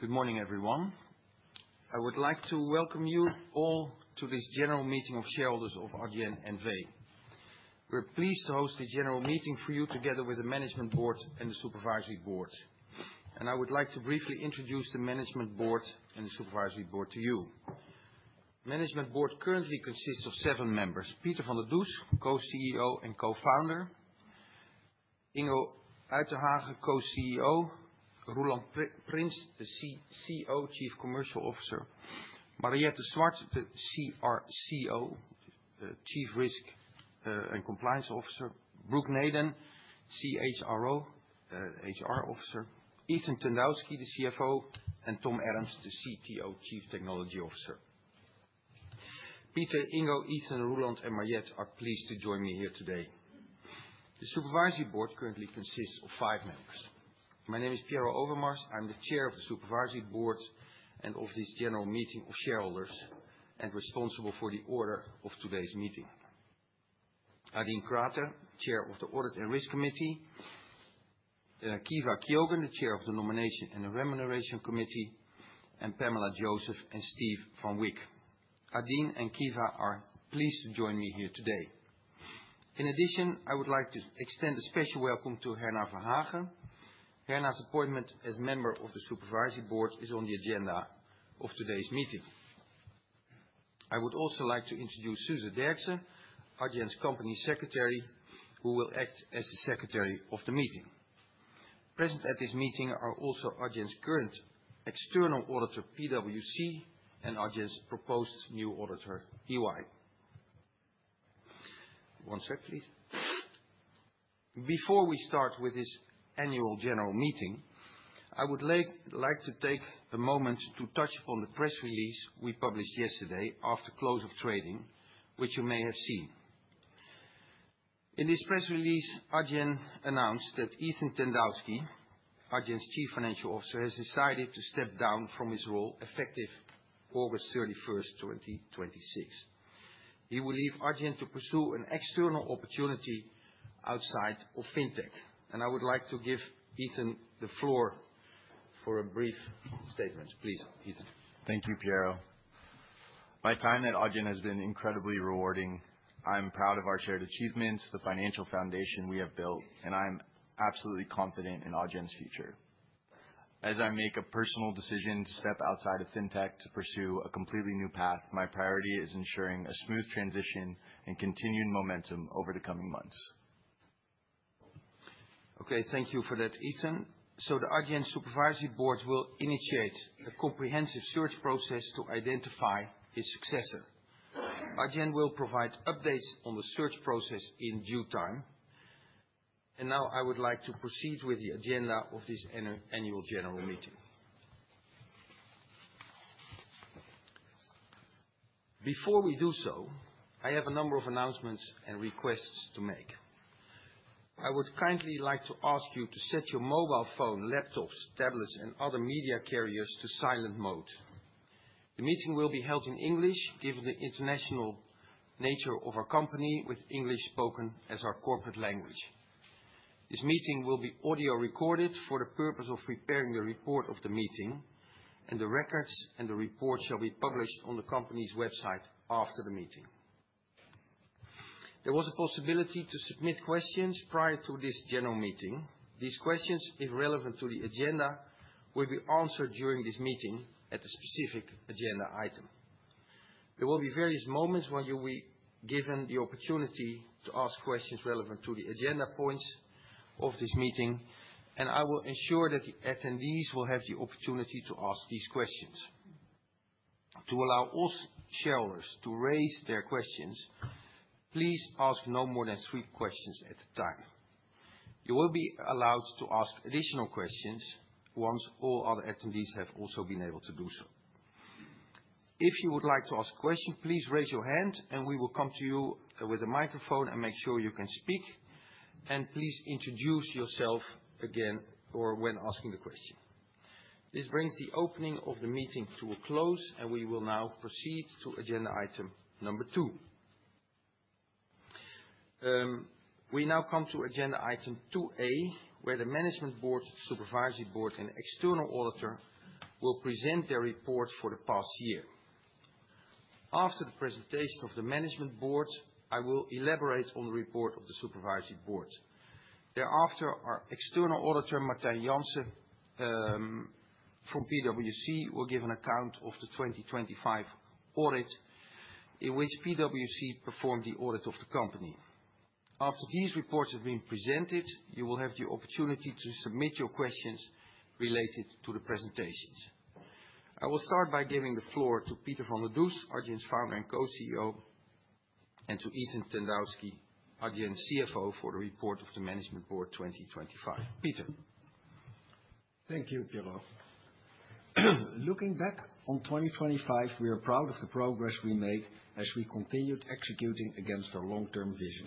Good morning, everyone. I would like to welcome you all to this general meeting of shareholders of Adyen N.V. We're pleased to host the general meeting for you together with the Management Board and the Supervisory Board, and I would like to briefly introduce the Management Board and the Supervisory Board to you. The Management Board currently consists of seven members, Pieter van der Does, Co-CEO and Co-Founder, Ingo Uytdehaage, Co-CEO, Roelant Prins, the CCO, Chief Commercial Officer, Mariëtte Swart, the CRCO, Chief Risk and Compliance Officer, Brooke Nayden, CHRO, HR Officer, Ethan Tandowsky, the CFO, and Tom Adams, the CTO, Chief Technology Officer. Pieter, Ingo, Ethan, Roelant, and Mariëtte are pleased to join me here today. The Supervisory Board currently consists of five members. My name is Piero Overmars. I'm the Chair of the Supervisory Board and of this general meeting of shareholders and responsible for the order of today's meeting. Adine Grate, Chair of the Audit and Risk Committee, Caoimhe Keogan, the Chair of the Nomination and Remuneration Committee, and Pamela Joseph and Steve van Wyk. Adine and Caoimhe are pleased to join me here today. In addition, I would like to extend a special welcome to Herna Verhagen. Herna's appointment as Member of the Supervisory Board is on the agenda of today's meeting. I would also like to introduce Suze Derkse, Adyen's Company Secretary, who will act as the secretary of the meeting. Present at this meeting are also Adyen's current external auditor, PwC, and Adyen's proposed new auditor, EY. One sec, please. Before we start with this annual general meeting, I would like to take a moment to touch upon the press release we published yesterday after close of trading, which you may have seen. In this press release, Adyen announced that Ethan Tandowsky, Adyen's Chief Financial Officer, has decided to step down from his role effective August 31st, 2026. He will leave Adyen to pursue an external opportunity outside of fintech. I would like to give Ethan the floor for a brief statement. Please, Ethan. Thank you, Piero. My time at Adyen has been incredibly rewarding. I'm proud of our shared achievements, the financial foundation we have built, I'm absolutely confident in Adyen's future. As I make a personal decision to step outside of fintech to pursue a completely new path, my priority is ensuring a smooth transition and continued momentum over the coming months. Okay. Thank you for that, Ethan. The Adyen Supervisory Board will initiate a comprehensive search process to identify his successor. Adyen will provide updates on the search process in due time. Now I would like to proceed with the agenda of this annual general meeting. Before we do so, I have a number of announcements and requests to make. I would kindly like to ask you to set your mobile phone, laptops, tablets, and other media carriers to silent mode. The meeting will be held in English, given the international nature of our company with English spoken as our corporate language. This meeting will be audio-recorded for the purpose of preparing a report of the meeting, and the records and the report shall be published on the company's website after the meeting. There was a possibility to submit questions prior to this general meeting. These questions, if relevant to the agenda, will be answered during this meeting at a specific agenda item. There will be various moments when you will be given the opportunity to ask questions relevant to the agenda points of this meeting, and I will ensure that the attendees will have the opportunity to ask these questions. To allow all shareholders to raise their questions, please ask no more than three questions at a time. You will be allowed to ask additional questions once all other attendees have also been able to do so. If you would like to ask a question, please raise your hand and we will come to you with a microphone and make sure you can speak, and please introduce yourself again or when asking the question. This brings the opening of the meeting to a close, and we will now proceed to agenda item number two. We now come to agenda item 2A, where the Management Board, Supervisory Board, and external auditor will present their report for the past year. After the presentation of the Management Board, I will elaborate on the report of the Supervisory Board. Thereafter, our external auditor, Martijn Jansen, from PwC, will give an account of the 2025 audit in which PwC performed the audit of the company. After these reports have been presented, you will have the opportunity to submit your questions related to the presentations. I will start by giving the floor to Pieter van der Does, Adyen's Founder and Co-CEO, and to Ethan Tandowsky, Adyen's CFO, for the report of the Management Board 2025. Pieter. Thank you, Piero. Looking back on 2025, we are proud of the progress we made as we continued executing against our long-term vision.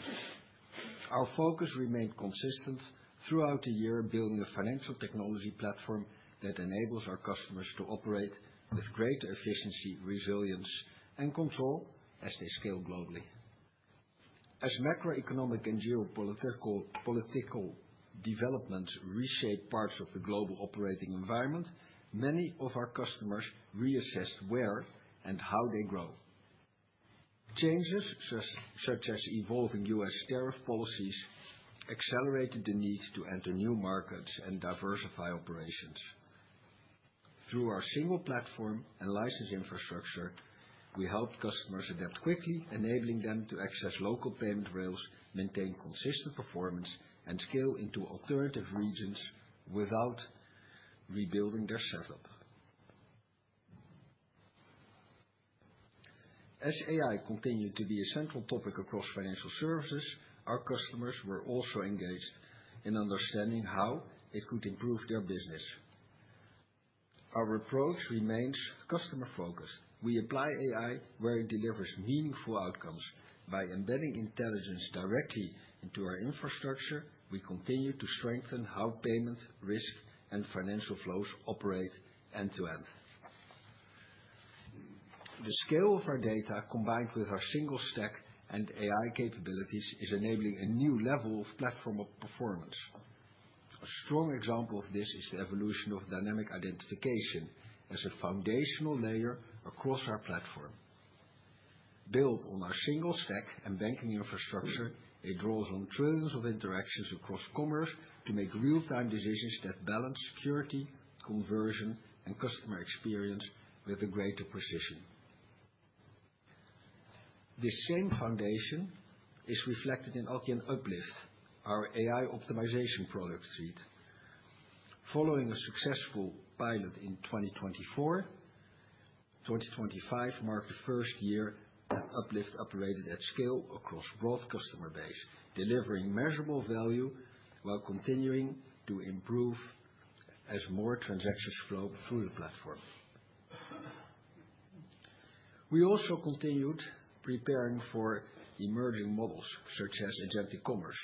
Our focus remained consistent throughout the year, building a financial technology platform that enables our customers to operate with greater efficiency, resilience, and control as they scale globally. As macroeconomic and geopolitical developments reshape parts of the global operating environment, many of our customers reassess where and how they grow. Changes, such as evolving U.S. tariff policies, accelerated the need to enter new markets and diversify operations. Through our single platform and license infrastructure, we help customers adapt quickly, enabling them to access local payment rails, maintain consistent performance, and scale into alternative regions without rebuilding their setup. As AI continued to be a central topic across financial services, our customers were also engaged in understanding how it could improve their business. Our approach remains customer-focused. We apply AI where it delivers meaningful outcomes. By embedding intelligence directly into our infrastructure, we continue to strengthen how payment, risk, and financial flows operate end to end. The scale of our data, combined with our single stack and AI capabilities, is enabling a new level of platform performance. A strong example of this is the evolution of Dynamic Identification as a foundational layer across our platform. Built on our single stack and banking infrastructure, it draws on trillions of interactions across commerce to make real-time decisions that balance security, conversion, and customer experience with a greater precision. The same foundation is reflected in Adyen Uplift, our AI optimization product suite. Following a successful pilot in 2024, 2025 marked the first year that Uplift operated at scale across broad customer base, delivering measurable value while continuing to improve as more transactions flow through the platform. We also continued preparing for emerging models, such as agentic commerce.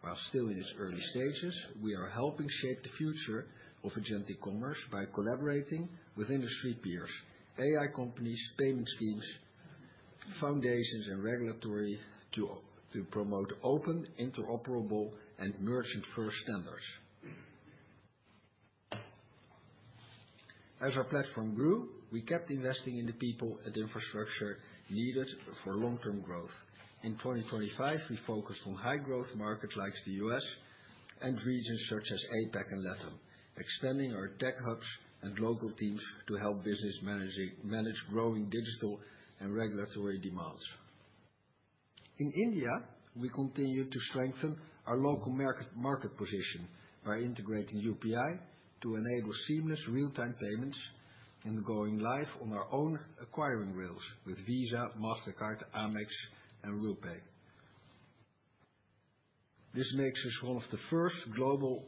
While still in its early stages, we are helping shape the future of agentic commerce by collaborating with industry peers, AI companies, payment schemes, foundations, and regulators to promote open, interoperable, and merchant-first standards. As our platform grew, we kept investing in the people and infrastructure needed for long-term growth. In 2025, we focused on high-growth markets like the U.S. and regions such as APAC and LATAM, extending our tech hubs and local teams to help business manage growing digital and regulatory demands. In India, we continued to strengthen our local market position by integrating UPI to enable seamless real-time payments and going live on our own acquiring rails with Visa, Mastercard, Amex, and RuPay. This makes us one of the first global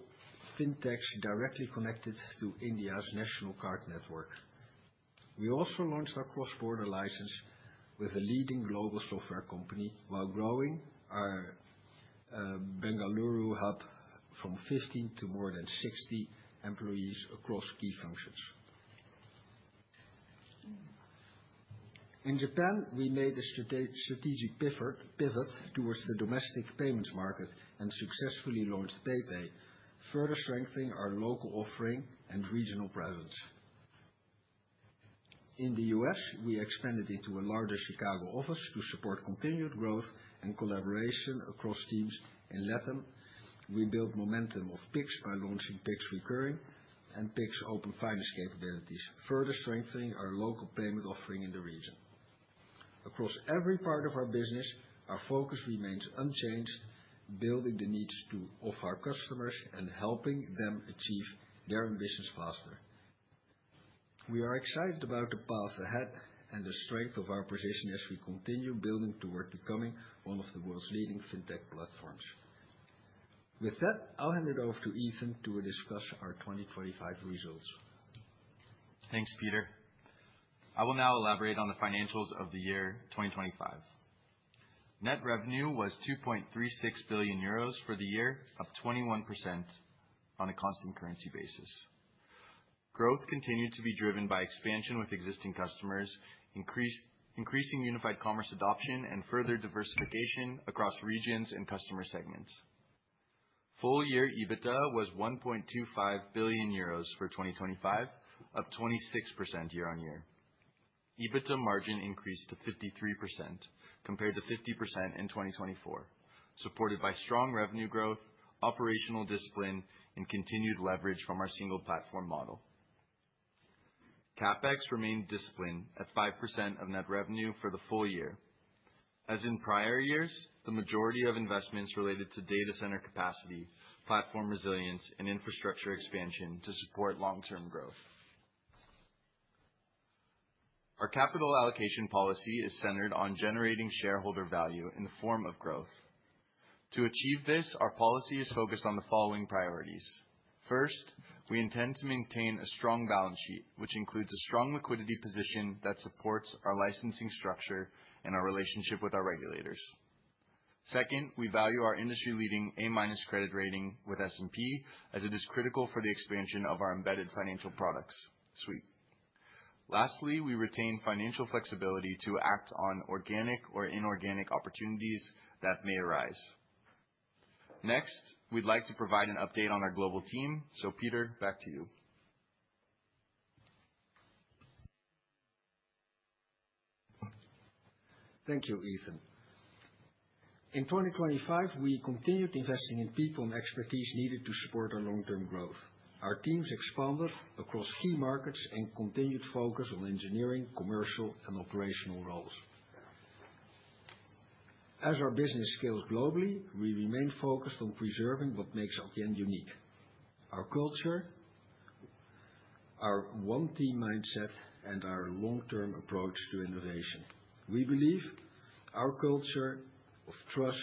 fintechs directly connected to India's national card network. We also launched our cross-border license with a leading global software company while growing our Bengaluru hub from 15 to more than 60 employees across key functions. In Japan, we made a strategic pivot towards the domestic payments market and successfully launched PayPay, further strengthening our local offering and regional presence. In the U.S., we expanded into a larger Chicago office to support continued growth and collaboration across teams. In LATAM, we built momentum of Pix by launching Pix Recurring and Pix open finance capabilities, further strengthening our local payment offering in the region. Across every part of our business, our focus remains unchanged, building the needs of our customers and helping them achieve their ambitions faster. We are excited about the path ahead and the strength of our position as we continue building toward becoming one of the world's leading fintech platforms. With that, I'll hand it over to Ethan to discuss our 2025 results. Thanks, Pieter. I will now elaborate on the financials of the year 2025. Net revenue was 2.36 billion euros for the year, up 21% on a constant currency basis. Growth continued to be driven by expansion with existing customers, increasing unified commerce adoption, and further diversification across regions and customer segments. Full-year EBITDA was 1.25 billion euros for 2025, up 26% year-on-year. EBITDA margin increased to 53% compared to 50% in 2024, supported by strong revenue growth, operational discipline, and continued leverage from our single platform model. CapEx remained disciplined at 5% of net revenue for the full-year. As in prior years, the majority of investments related to data center capacity, platform resilience, and infrastructure expansion to support long-term growth. Our capital allocation policy is centered on generating shareholder value in the form of growth. To achieve this, our policy is focused on the following priorities. First, we intend to maintain a strong balance sheet, which includes a strong liquidity position that supports our licensing structure and our relationship with our regulators. Second, we value our industry leading A- credit rating with S&P as it is critical for the expansion of our embedded financial products suite. Lastly, we retain financial flexibility to act on organic or inorganic opportunities that may arise. Next, we'd like to provide an update on our global team. Pieter, back to you. Thank you, Ethan. In 2025, we continued investing in people and expertise needed to support our long-term growth. Our teams expanded across key markets and continued focus on engineering, commercial, and operational roles. As our business scales globally, we remain focused on preserving what makes Adyen unique. Our culture, our one team mindset, and our long-term approach to innovation. We believe our culture of trust,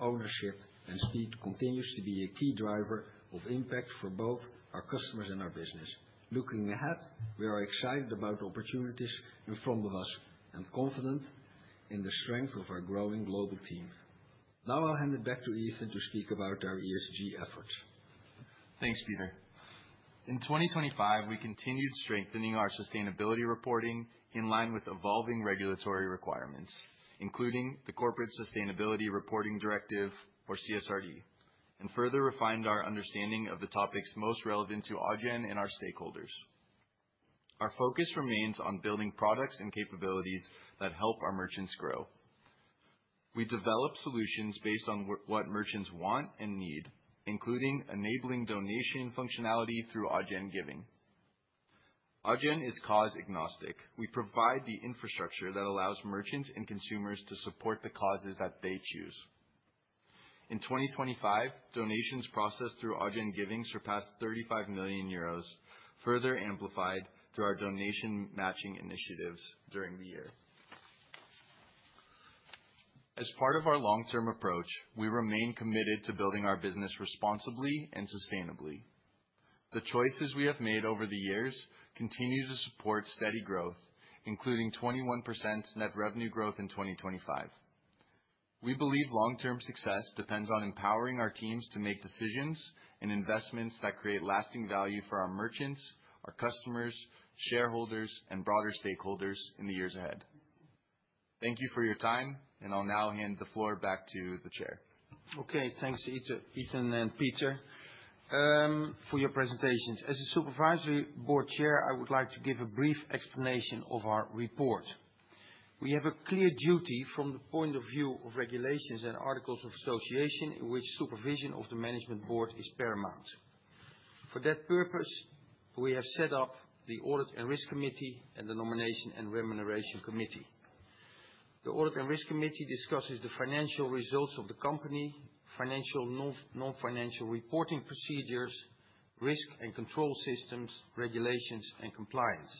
ownership, and speed continues to be a key driver of impact for both our customers and our business. Looking ahead, we are excited about opportunities in front of us and confident in the strength of our growing global team. Now I'll hand it back to Ethan to speak about our ESG efforts. Thanks, Pieter. In 2025, we continued strengthening our sustainability reporting in line with evolving regulatory requirements, including the Corporate Sustainability Reporting Directive, or CSRD, and further refined our understanding of the topics most relevant to Adyen and our stakeholders. Our focus remains on building products and capabilities that help our merchants grow. We develop solutions based on what merchants want and need, including enabling donation functionality through Adyen Giving. Adyen is cause agnostic. We provide the infrastructure that allows merchants and consumers to support the causes that they choose. In 2025, donations processed through Adyen Giving surpassed 35 million euros, further amplified through our donation matching initiatives during the year. As part of our long-term approach, we remain committed to building our business responsibly and sustainably. The choices we have made over the years continue to support steady growth, including 21% net revenue growth in 2025. We believe long-term success depends on empowering our teams to make decisions and investments that create lasting value for our merchants, our customers, shareholders, and broader stakeholders in the years ahead. Thank you for your time, and I'll now hand the floor back to the Chair. Okay. Thanks, Ethan and Pieter, for your presentations. As the Supervisory Board Chair, I would like to give a brief explanation of our report. We have a clear duty from the point of view of regulations and articles of association in which supervision of the Management Board is paramount. For that purpose, we have set up the Audit and Risk Committee and the Nomination and Remuneration Committee. The Audit and Risk Committee discusses the financial results of the company, financial, non-financial reporting procedures, risk and control systems, regulations, and compliance.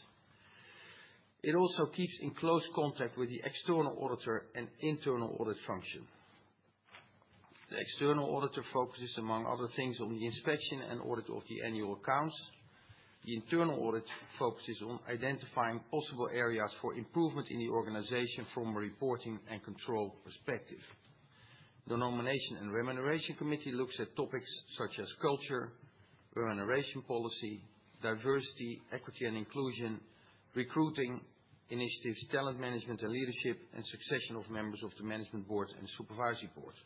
It also keeps in close contact with the external auditor and internal audit function. The external auditor focuses, among other things, on the inspection and audit of the annual accounts. The internal audit focuses on identifying possible areas for improvement in the organization from a reporting and control perspective. The Nomination and Remuneration Committee looks at topics such as culture, remuneration policy, diversity, equity and inclusion, recruiting initiatives, talent management and leadership, and succession of members of the Management Board and Supervisory Board.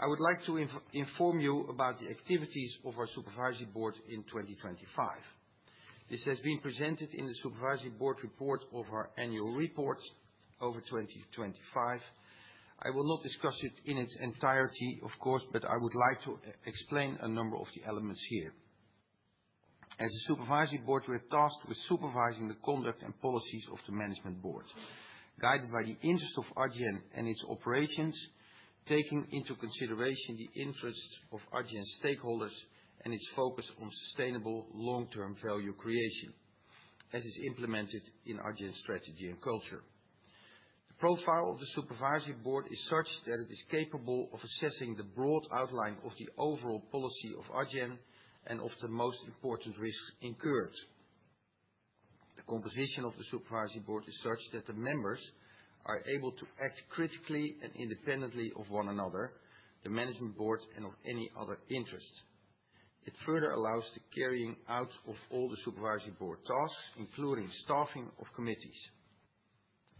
I would like to inform you about the activities of our Supervisory Board in 2025. This has been presented in the Supervisory Board report of our annual report over 2025. I will not discuss it in its entirety, of course, but I would like to explain a number of the elements here. As a Supervisory Board, we are tasked with supervising the conduct and policies of the Management Board, guided by the interest of Adyen and its operations, taking into consideration the interests of Adyen stakeholders and its focus on sustainable long-term value creation as is implemented in Adyen strategy and culture. The profile of the Supervisory Board is such that it is capable of assessing the broad outline of the overall policy of Adyen and of the most important risks incurred. The composition of the Supervisory Board is such that the members are able to act critically and independently of one another, the Management Board, and of any other interest. It further allows the carrying out of all the Supervisory Board tasks, including staffing of committees.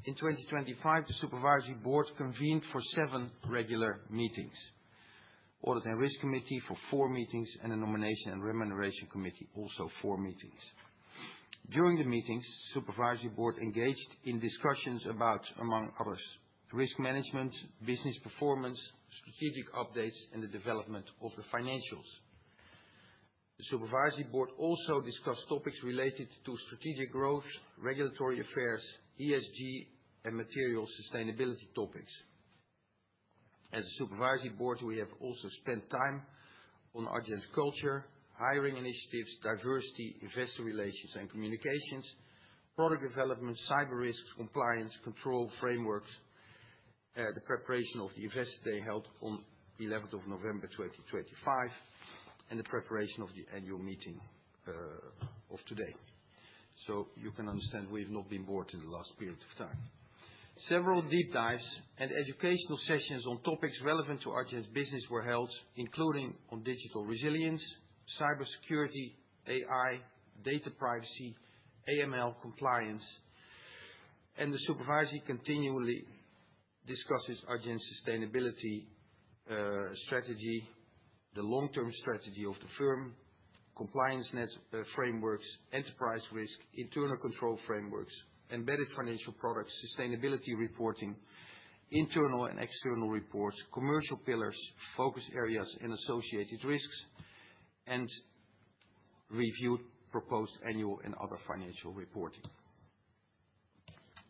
In 2025, the Supervisory Board convened for seven regular meetings, Audit and Risk Committee for four meetings, and the Nomination and Remuneration Committee, also four meetings. During the meetings, the Supervisory Board engaged in discussions about, among others, risk management, business performance, strategic updates, and the development of the financials. The Supervisory Board also discussed topics related to strategic growth, regulatory affairs, ESG, and material sustainability topics. As a Supervisory Board, we have also spent time on Adyen's culture, hiring initiatives, diversity, investor relations and communications, product development, cyber risks, compliance, control frameworks, the preparation of the Investor Day held on the 11th of November 2025, and the preparation of the annual meeting of today. You can understand we've not been bored in the last period of time. Several deep dives and educational sessions on topics relevant to Adyen's business were held, including on digital resilience, cybersecurity, AI, data privacy, AML compliance, and the Supervisory continually discusses Adyen's sustainability strategy, the long-term strategy of the firm, compliance frameworks, enterprise risk, internal control frameworks, embedded financial products, sustainability reporting, internal and external reports, commercial pillars, focus areas and associated risks, and reviewed proposed annual and other financial reporting.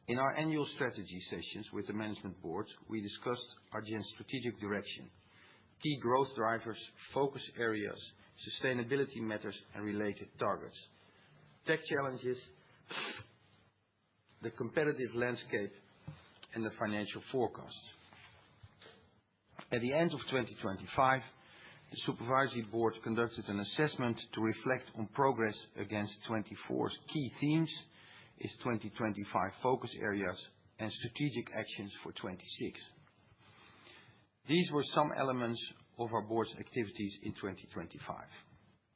In our annual strategy sessions with the Management Board, we discussed Adyen's strategic direction, key growth drivers, focus areas, sustainability matters and related targets, tech challenges, the competitive landscape, and the financial forecast. At the end of 2025, the Supervisory Board conducted an assessment to reflect on progress against 2024's key themes, its 2025 focus areas, and strategic actions for 2026. These were some elements of our board's activities in 2025.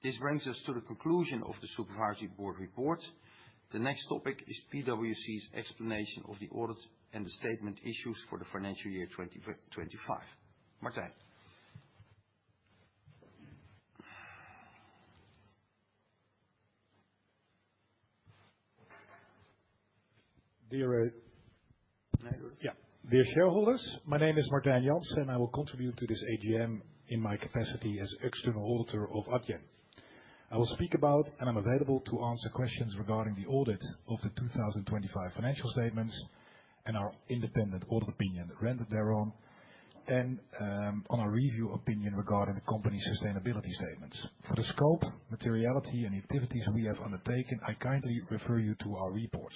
This brings us to the conclusion of the Supervisory Board report. The next topic is PwC's explanation of the audit and the statement issues for the financial year 2025. Martijn. Dear shareholders, my name is Martijn Jansen, and I will contribute to this AGM in my capacity as external auditor of Adyen. I will speak about, and I'm available to answer questions regarding the audit of the 2025 financial statements and our independent audit opinion rendered thereon, and on our review opinion regarding the company's sustainability statements. For the scope, materiality, and activities we have undertaken, I kindly refer you to our reports.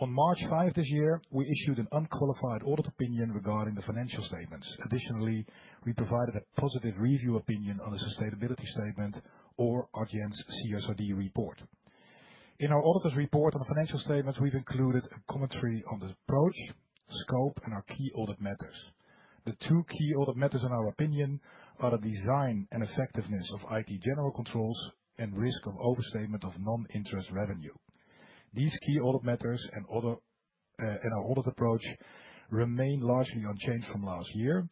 On March 5 this year, we issued an unqualified audit opinion regarding the financial statements. Additionally, we provided a positive review opinion on the sustainability statement or Adyen's CSRD report. In our auditor's report on the financial statements, we've included a commentary on the approach, scope, and our key audit matters. The two key audit matters in our opinion are the design and effectiveness of IT general controls and risk of overstatement of non-interest revenue. These key audit matters and our audit approach remain largely unchanged from last year.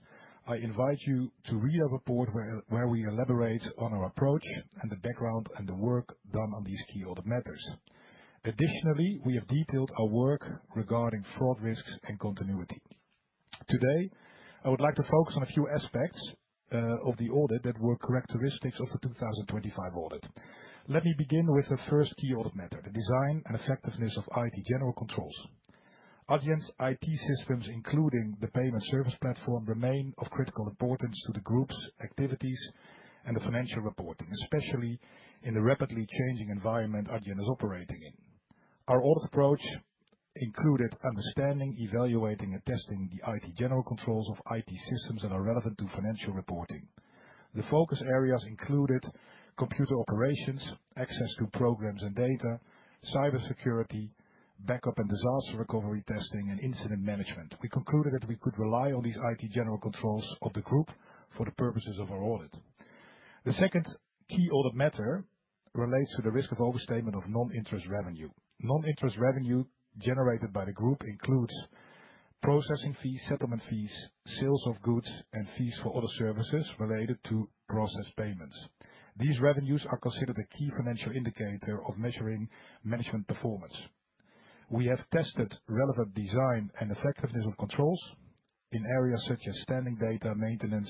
I invite you to read our report, where we elaborate on our approach and the background and the work done on these key audit matters. Additionally, we have detailed our work regarding fraud risks and continuity. Today, I would like to focus on a few aspects of the audit that were characteristics of the 2025 audit. Let me begin with the first key audit matter, the design and effectiveness of IT general controls. Adyen's IT systems, including the payment service platform, remain of critical importance to the group's activities and the financial reporting, especially in the rapidly changing environment Adyen is operating in. Our audit approach included understanding, evaluating, and testing the IT general controls of IT systems that are relevant to financial reporting. The focus areas included computer operations, access to programs and data, cybersecurity, backup and disaster recovery testing, and incident management. We concluded that we could rely on these IT general controls of the group for the purposes of our audit. The second key audit matter relates to the risk of overstatement of non-interest revenue. Non-interest revenue generated by the group includes processing fees, settlement fees, sales of goods, and fees for other services related to processed payments. These revenues are considered a key financial indicator of measuring management performance. We have tested relevant design and effectiveness of controls in areas such as standing data maintenance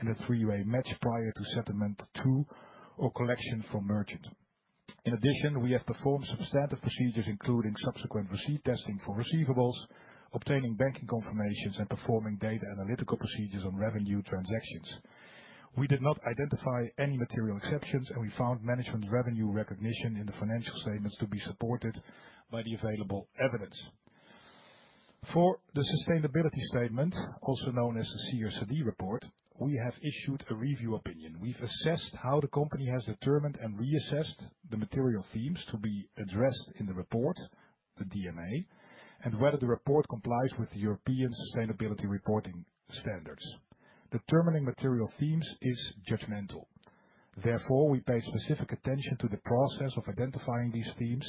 and a three-way match prior to settlement to, or collection from merchant. In addition, we have performed substantive procedures including subsequent receipt testing for receivables, obtaining banking confirmations, and performing data analytical procedures on revenue transactions. We did not identify any material exceptions. We found management's revenue recognition in the financial statements to be supported by the available evidence. For the sustainability statement, also known as the CSRD report, we have issued a review opinion. We've assessed how the company has determined and reassessed the material themes to be addressed in the report, the DMA, and whether the report complies with the European sustainability reporting standards. Determining material themes is judgmental. We pay specific attention to the process of identifying these themes,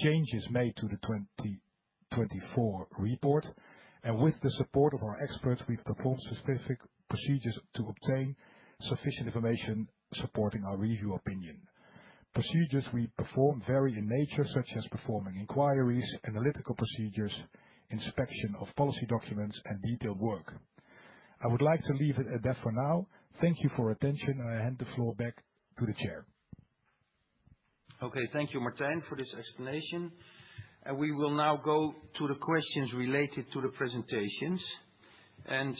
changes made to the 2024 report, and with the support of our experts, we've performed specific procedures to obtain sufficient information supporting our review opinion. Procedures we perform vary in nature, such as performing inquiries, analytical procedures, inspection of policy documents, and detailed work. I would like to leave it at that for now. Thank you for attention and I hand the floor back to the Chair. Okay. Thank you, Martijn, for this explanation. We will now go to the questions related to the presentations, and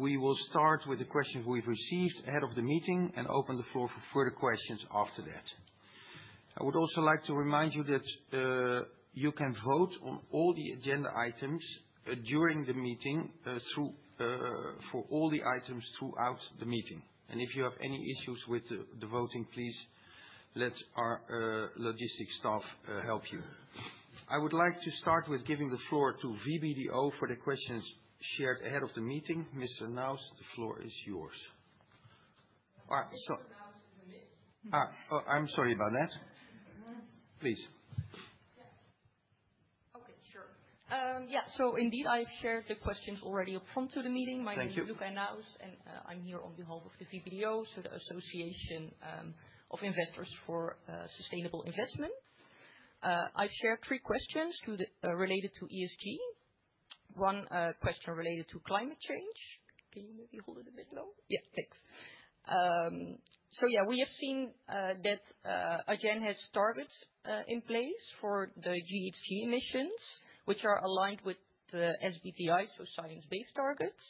we will start with the questions we've received ahead of the meeting and open the floor for further questions after that. I would also like to remind you that you can vote on all the agenda items during the meeting, for all the items throughout the meeting. If you have any issues with the voting, please let our logistics staff help you. I would like to start with giving the floor to VBDO for the questions shared ahead of the meeting. Mr. Naus, the floor is yours. Oh, I'm sorry about that. Please. Yeah. Okay. Sure. Indeed, I've shared the questions already up front to the meeting. Thank you. My name is Luca Naus, and I'm here on behalf of the VBDO, so the Association of Investors for Sustainable Investment. I've shared three questions related to ESG. One question related to climate change. Can you maybe hold it a bit low? Yeah, thanks. Yeah, we have seen that Adyen has targets in place for the GHG emissions, which are aligned with the SBTi, so science-based targets.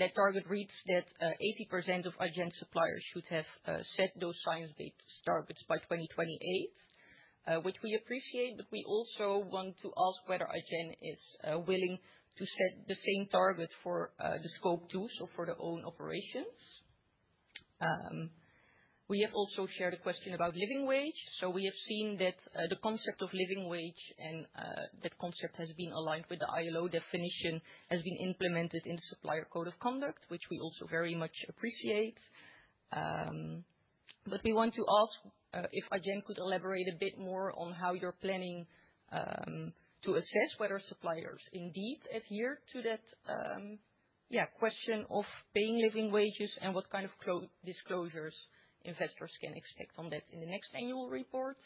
That target reads that 80% of Adyen suppliers should have set those science-based targets by 2028, which we appreciate, but we also want to ask whether Adyen is willing to set the same target for the Scope 2, so for their own operations. We have also shared a question about living wage. We have seen that the concept of living wage and that concept has been aligned with the ILO definition, has been implemented in the supplier code of conduct, which we also very much appreciate. We want to ask if Adyen could elaborate a bit more on how you're planning to assess whether suppliers indeed adhere to that question of paying living wages and what kind of disclosures investors can expect on that in the next annual report.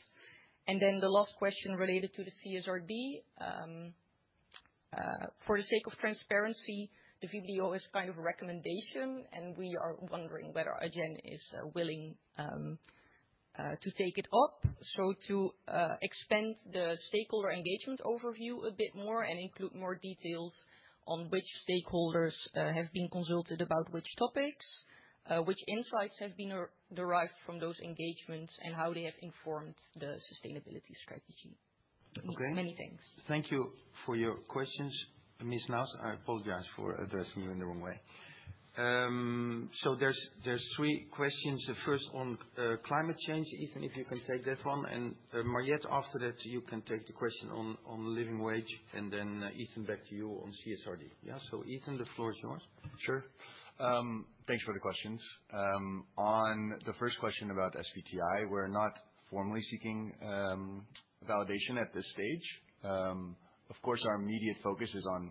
The last question related to the CSRD. For the sake of transparency, the VBDO is kind of a recommendation, and we are wondering whether Adyen is willing to take it up. To expand the stakeholder engagement overview a bit more and include more details on which stakeholders have been consulted about which topics, which insights have been derived from those engagements, and how they have informed the sustainability strategy. Okay. Many thanks. Thank you for your questions, Ms. Naus. I apologize for addressing you in the wrong way. There's three questions. First, on climate change, Ethan, if you can take that one. Mariëtte, after that, you can take the question on living wage. Ethan, back to you on CSRD. Yeah. Ethan, the floor is yours. Sure. Thanks for the questions. On the first question about SBTi, we're not formally seeking validation at this stage. Of course, our immediate focus is on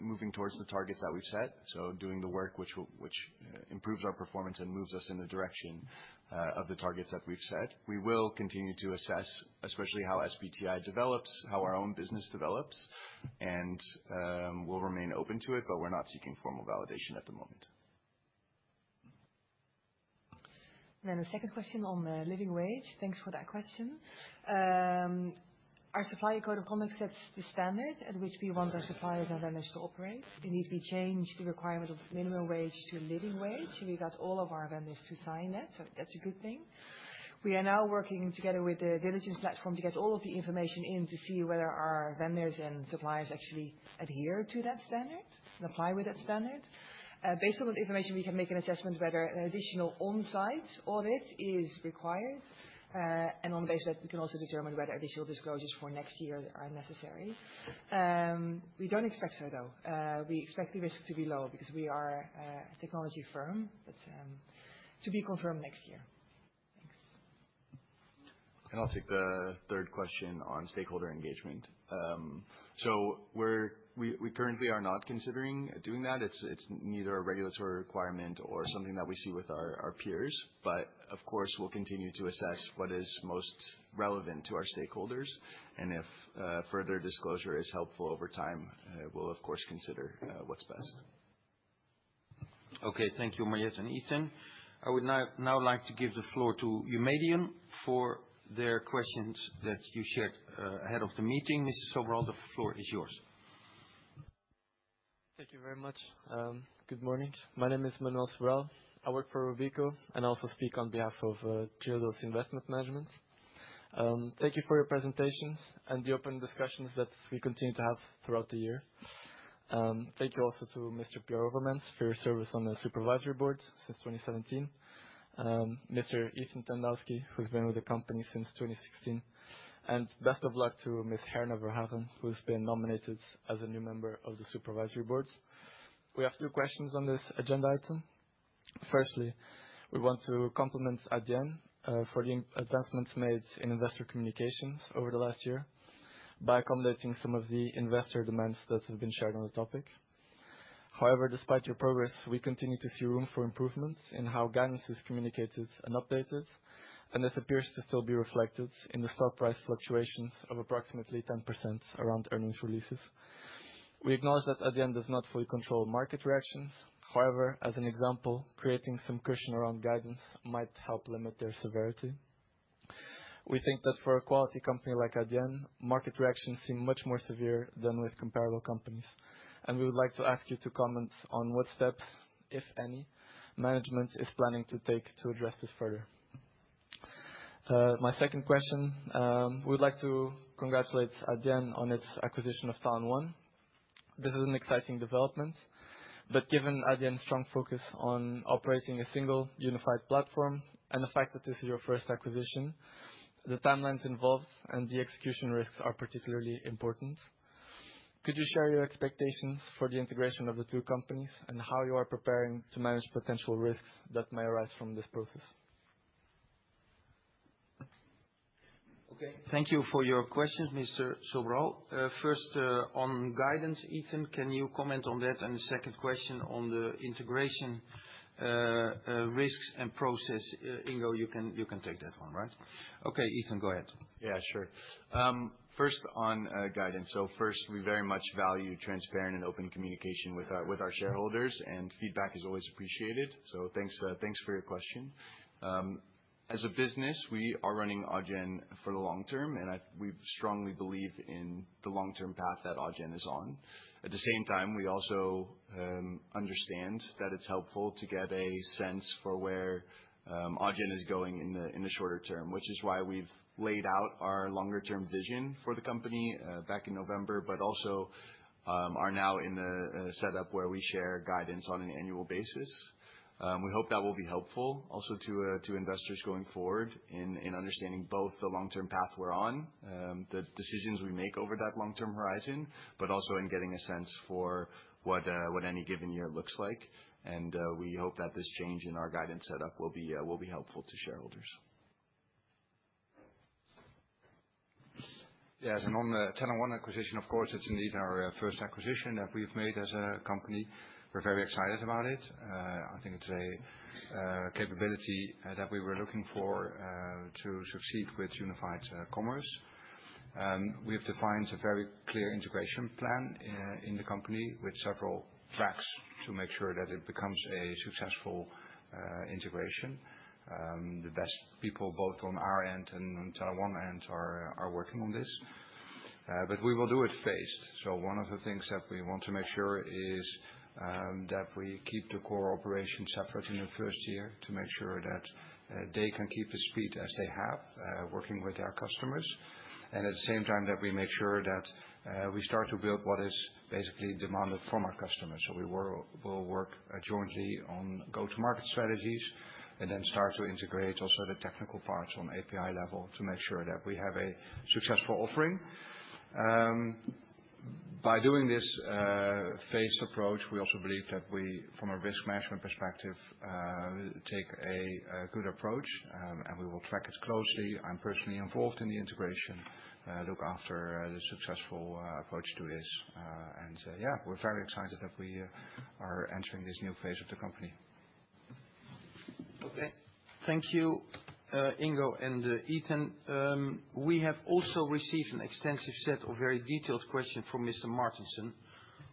moving towards the targets that we've set, so doing the work which improves our performance and moves us in the direction of the targets that we've set. We will continue to assess, especially how SBTi develops, how our own business develops, and we'll remain open to it, but we're not seeking formal validation at the moment. The second question on living wage. Thanks for that question. Our supplier code of conduct sets the standard at which we want our suppliers and vendors to operate. Indeed, we changed the requirement of minimum wage to a living wage. We got all of our vendors to sign it, so that's a good thing. We are now working together with the vigilance platform to get all of the information in to see whether our vendors and suppliers actually adhere to that standard and comply with that standard. Based on that information, we can make an assessment whether an additional onsite audit is required. On that, we can also determine whether additional disclosures for next year are necessary. We don't expect so, though. We expect the risk to be low because we are a technology firm. To be confirmed next year. Thanks. I'll take the third question on stakeholder engagement. We currently are not considering doing that. It's neither a regulatory requirement or something that we see with our peers. Of course, we'll continue to assess what is most relevant to our stakeholders, and if further disclosure is helpful over time, we'll of course consider what's best. Okay. Thank you, Mariëtte and Ethan. I would now like to give the floor to Umadiam for their questions that you shared ahead of the meeting. Mr. Sobral, the floor is yours. Thank you very much. Good morning. My name is Manuel Sobral. I work for Robeco, and I also speak on behalf of Triodos Investment Management. Thank you for your presentation and the open discussions that we continue to have throughout the year. Thank you also to Mr. Piero Overmars for your service on the Supervisory Board since 2017, Mr. Ethan Tandowsky, who's been with the company since 2016, and best of luck to Ms. Herna Verhagen, who's been nominated as a new member of the Supervisory Board. We have two questions on this agenda item. Firstly, we want to compliment Adyen for the advancements made in investor communications over the last year by accommodating some of the investor demands that have been shared on the topic. However, despite your progress, we continue to see room for improvements in how guidance is communicated and updated, and this appears to still be reflected in the stock price fluctuations of approximately 10% around earnings releases. We acknowledge that Adyen does not fully control market reactions. However, as an example, creating some cushion around guidance might help limit their severity. We think that for a quality company like Adyen, market reactions seem much more severe than with comparable companies. We would like to ask you to comment on what steps, if any, management is planning to take to address this further. My second question. We'd like to congratulate Adyen on its acquisition of Talon.One. This is an exciting development, but given Adyen's strong focus on operating a single unified platform and the fact that this is your first acquisition, the timelines involved and the execution risks are particularly important. Could you share your expectations for the integration of the two companies and how you are preparing to manage potential risks that may arise from this process? Okay, thank you for your questions, Mr. Sobral. First, on guidance. Ethan, can you comment on that? The second question on the integration, risks and process, Ingo, you can take that one, right? Okay, Ethan, go ahead. Yeah, sure. First on guidance. First, we very much value transparent and open communication with our shareholders, and feedback is always appreciated. Thanks for your question. As a business, we are running Adyen for the long term, and we strongly believe in the long-term path that Adyen is on. At the same time, we also understand that it's helpful to get a sense for where Adyen is going in the shorter term, which is why we've laid out our longer-term vision for the company back in November, but also are now in a setup where we share guidance on an an annual basis. We hope that will be helpful also to investors going forward in understanding both the long-term path we're on, the decisions we make over that long-term horizon, but also in getting a sense for what any given year looks like. We hope that this change in our guidance setup will be helpful to shareholders. Yes, on the Talon.One acquisition, of course, it's indeed our first acquisition that we've made as a company. We're very excited about it. I think it's a capability that we were looking for to succeed with unified commerce. We have defined a very clear integration plan in the company with several tracks to make sure that it becomes a successful integration. The best people, both on our end and Talon.One end, are working on this. We will do it phased. One of the things that we want to make sure is that we keep the core operations separate in the first year to make sure that they can keep the speed as they have working with their customers. At the same time that we make sure that we start to build what is basically demanded from our customers. We'll work jointly on go-to-market strategies and then start to integrate also the technical parts on API level to make sure that we have a successful offering. By doing this phased approach, we also believe that we, from a risk management perspective, take a good approach, and we will track it closely. I'm personally involved in the integration, look after the successful approach to this. Yeah, we're very excited that we are entering this new phase of the company. Okay. Thank you, Ingo and Ethan. We have also received an extensive set of very detailed questions from Mr. Martensen,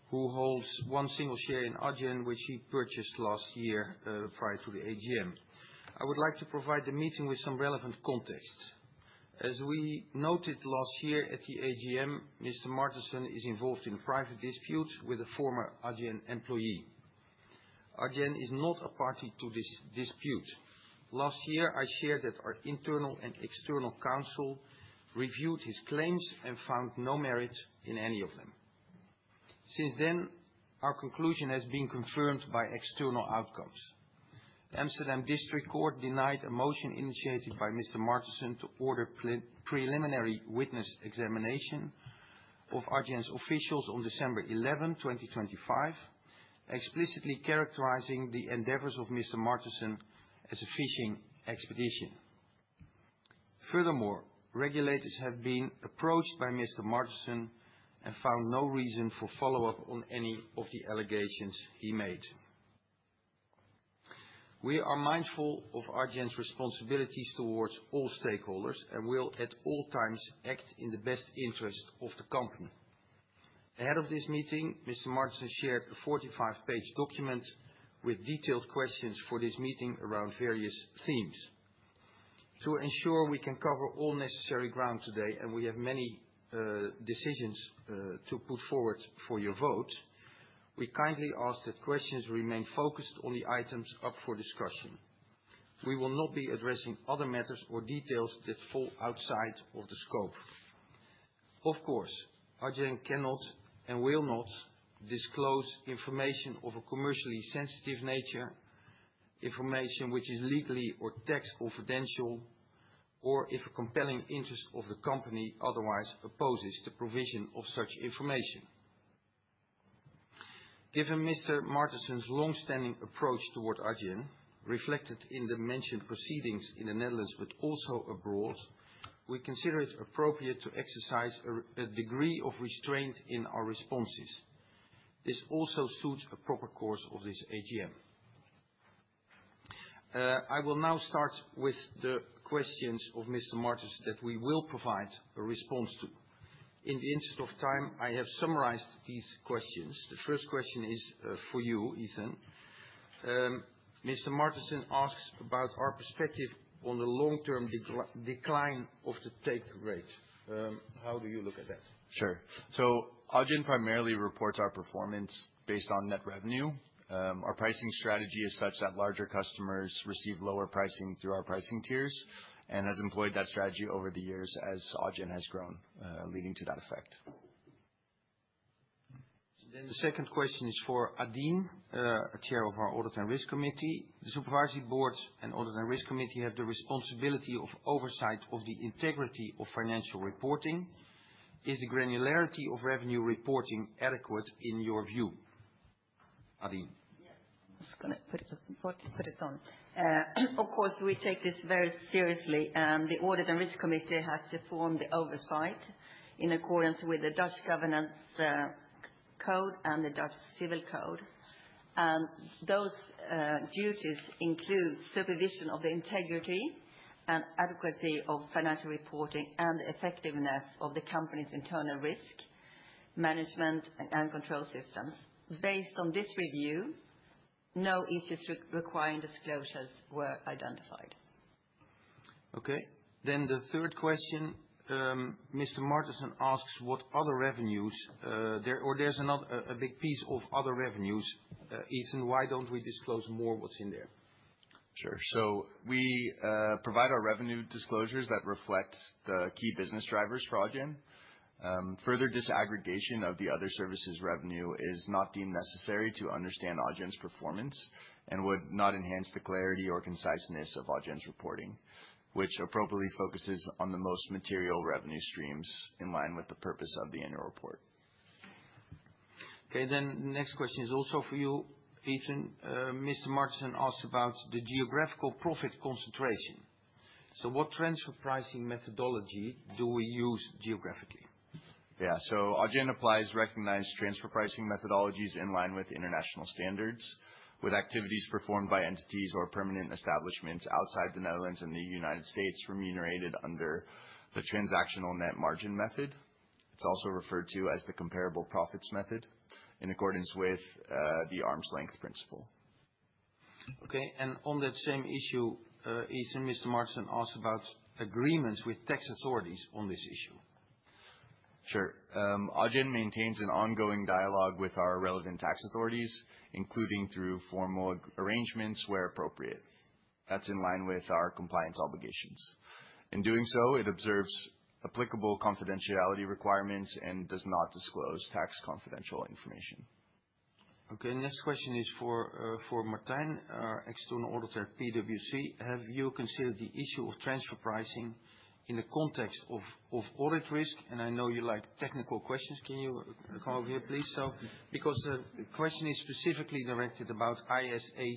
who holds one single share in Adyen, which he purchased last year prior to the AGM. I would like to provide the meeting with some relevant context. As we noted last year at the AGM, Mr. Martensen is involved in a private dispute with a former Adyen employee. Adyen is not a party to this dispute. Last year, I shared that our internal and external counsel reviewed his claims and found no merit in any of them. Since then, our conclusion has been confirmed by external outcomes. The Amsterdam District Court denied a motion initiated by Mr. Martensen to order preliminary witness examination of Adyen's officials on December 11, 2025, explicitly characterizing the endeavors of Mr. Martensen as a fishing expedition. Regulators have been approached by Mr. Martensen and found no reason for follow-up on any of the allegations he made. We are mindful of Adyen's responsibilities towards all stakeholders and will at all times act in the best interest of the company. Ahead of this meeting, Mr. Martensen shared a 45 page document with detailed questions for this meeting around various themes. To ensure we can cover all necessary ground today, and we have many decisions to put forward for your vote, we kindly ask that questions remain focused on the items up for discussion. We will not be addressing other matters or details that fall outside of the scope. Adyen cannot and will not disclose information of a commercially sensitive nature, information which is legally or tax confidential, or if a compelling interest of the company otherwise opposes the provision of such information. Given Mr. Martensen's long-standing approach toward Adyen, reflected in the mentioned proceedings in the Netherlands but also abroad, we consider it appropriate to exercise a degree of restraint in our responses. This also suits a proper course of this AGM. I will now start with the questions of Mr. Martensen that we will provide a response to. In the interest of time, I have summarized these questions. The first question is for you, Ethan. Mr. Martensen asks about our perspective on the long-term decline of the take rate. How do you look at that? Sure. Adyen primarily reports our performance based on net revenue. Our pricing strategy is such that larger customers receive lower pricing through our pricing tiers and has employed that strategy over the years as Adyen has grown, leading to that effect. The second question is for Adine, a Chair of our Audit and Risk Committee. The Supervisory Board and Audit and Risk Committee have the responsibility of oversight of the integrity of financial reporting. Is the granularity of revenue reporting adequate in your view? Adine. Yes. I'm just going to put this on. Of course, we take this very seriously. The Audit and Risk Committee has to form the oversight in accordance with the Dutch Governance Code and the Dutch Civil Code. Those duties include supervision of the integrity and adequacy of financial reporting, and effectiveness of the company's internal risk management and control systems. Based on this review, no issues requiring disclosures were identified. Okay. The third question, Mr. Martensen asks what other revenues. There's a big piece of other revenues, Ethan, why don't we disclose more what's in there? Sure. We provide our revenue disclosures that reflect the key business drivers for Adyen. Further disaggregation of the other services revenue is not deemed necessary to understand Adyen's performance and would not enhance the clarity or conciseness of Adyen's reporting, which appropriately focuses on the most material revenue streams in line with the purpose of the annual report. Okay, next question is also for you, Ethan. Mr. Martensen asks about the geographical profit concentration. What transfer pricing methodology do we use geographically? Yeah. Adyen applies recognized transfer pricing methodologies in line with international standards, with activities performed by entities or permanent establishments outside the Netherlands and the United States remunerated under the transactional net margin method. It's also referred to as the comparable profits method in accordance with the arm's length principle. Okay, on that same issue, Ethan, Mr. Martensen asks about agreements with tax authorities on this issue. Sure. Adyen maintains an ongoing dialogue with our relevant tax authorities, including through formal arrangements where appropriate. That's in line with our compliance obligations. In doing so, it observes applicable confidentiality requirements and does not disclose tax confidential information. Okay, next question is for Martijn, our external auditor at PwC. Have you considered the issue of transfer pricing in the context of audit risk? I know you like technical questions. Can you come over here, please? The question is specifically directed about ISA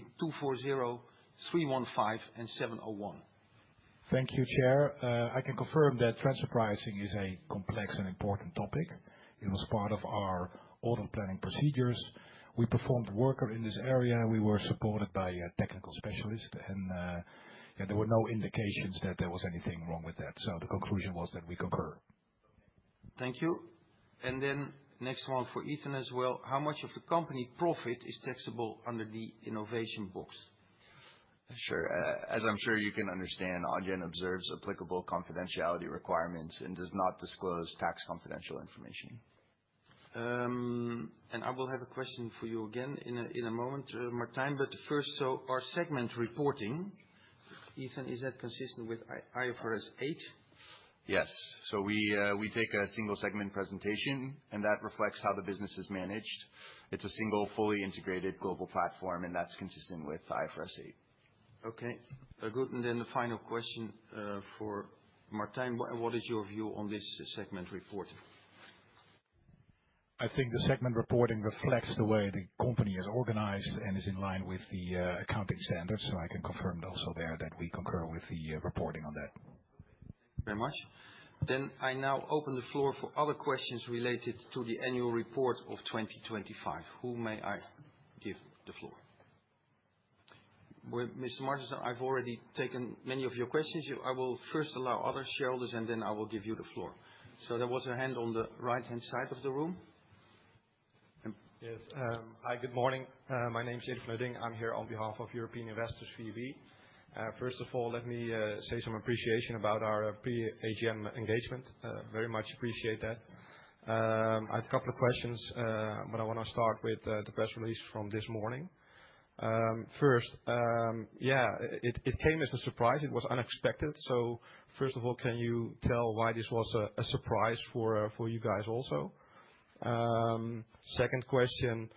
240, 315, and 701. Thank you, Chair. I can confirm that transfer pricing is a complex and important topic. It was part of our audit planning procedures. We performed work in this area. We were supported by a technical specialist and there were no indications that there was anything wrong with that. The conclusion was that we concur. Thank you. Next one for Ethan as well. How much of the company profit is taxable under the innovation box? Sure. As I'm sure you can understand, Adyen observes applicable confidentiality requirements and does not disclose tax confidential information. I will have a question for you again in a moment, Martijn. First, our segment reporting, Ethan, is that consistent with IFRS 8? Yes. We take a single segment presentation, and that reflects how the business is managed. It's a single, fully integrated global platform, and that's consistent with IFRS 8. Okay, good. The final question for Martijn, what is your view on this segment reporting? I think the segment reporting reflects the way the company is organized and is in line with the accounting standards. I can confirm also there that we concur with the reporting on that. Thank you very much. I now open the floor for other questions related to the annual report of 2025. Who may I give the floor? Mr. Martensen, I've already taken many of your questions. I will first allow other shareholders, and then I will give you the floor. There was a hand on the right-hand side of the room. Yes. Hi, good morning. My name's James Mudding. I am here on behalf of European Investors-VEB. Let me say some appreciation about our pre-AGM engagement. Very much appreciate that. I have a couple of questions, but I want to start with the press release from this morning. It came as a surprise. It was unexpected. Can you tell why this was a surprise for you guys also? Second question,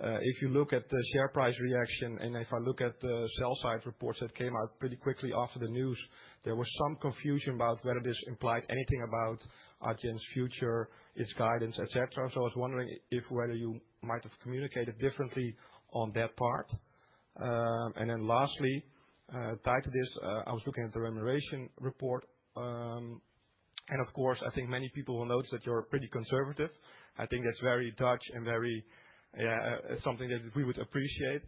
if you look at the share price reaction, and if I look at the sell side reports that came out pretty quickly after the news, there was some confusion about whether this implied anything about Adyen's future, its guidance, et cetera. I was wondering if whether you might have communicated differently on that part. Lastly, tied to this, I was looking at the remuneration report, and of course, I think many people will notice that you're pretty conservative. I think that's very Dutch and something that we would appreciate.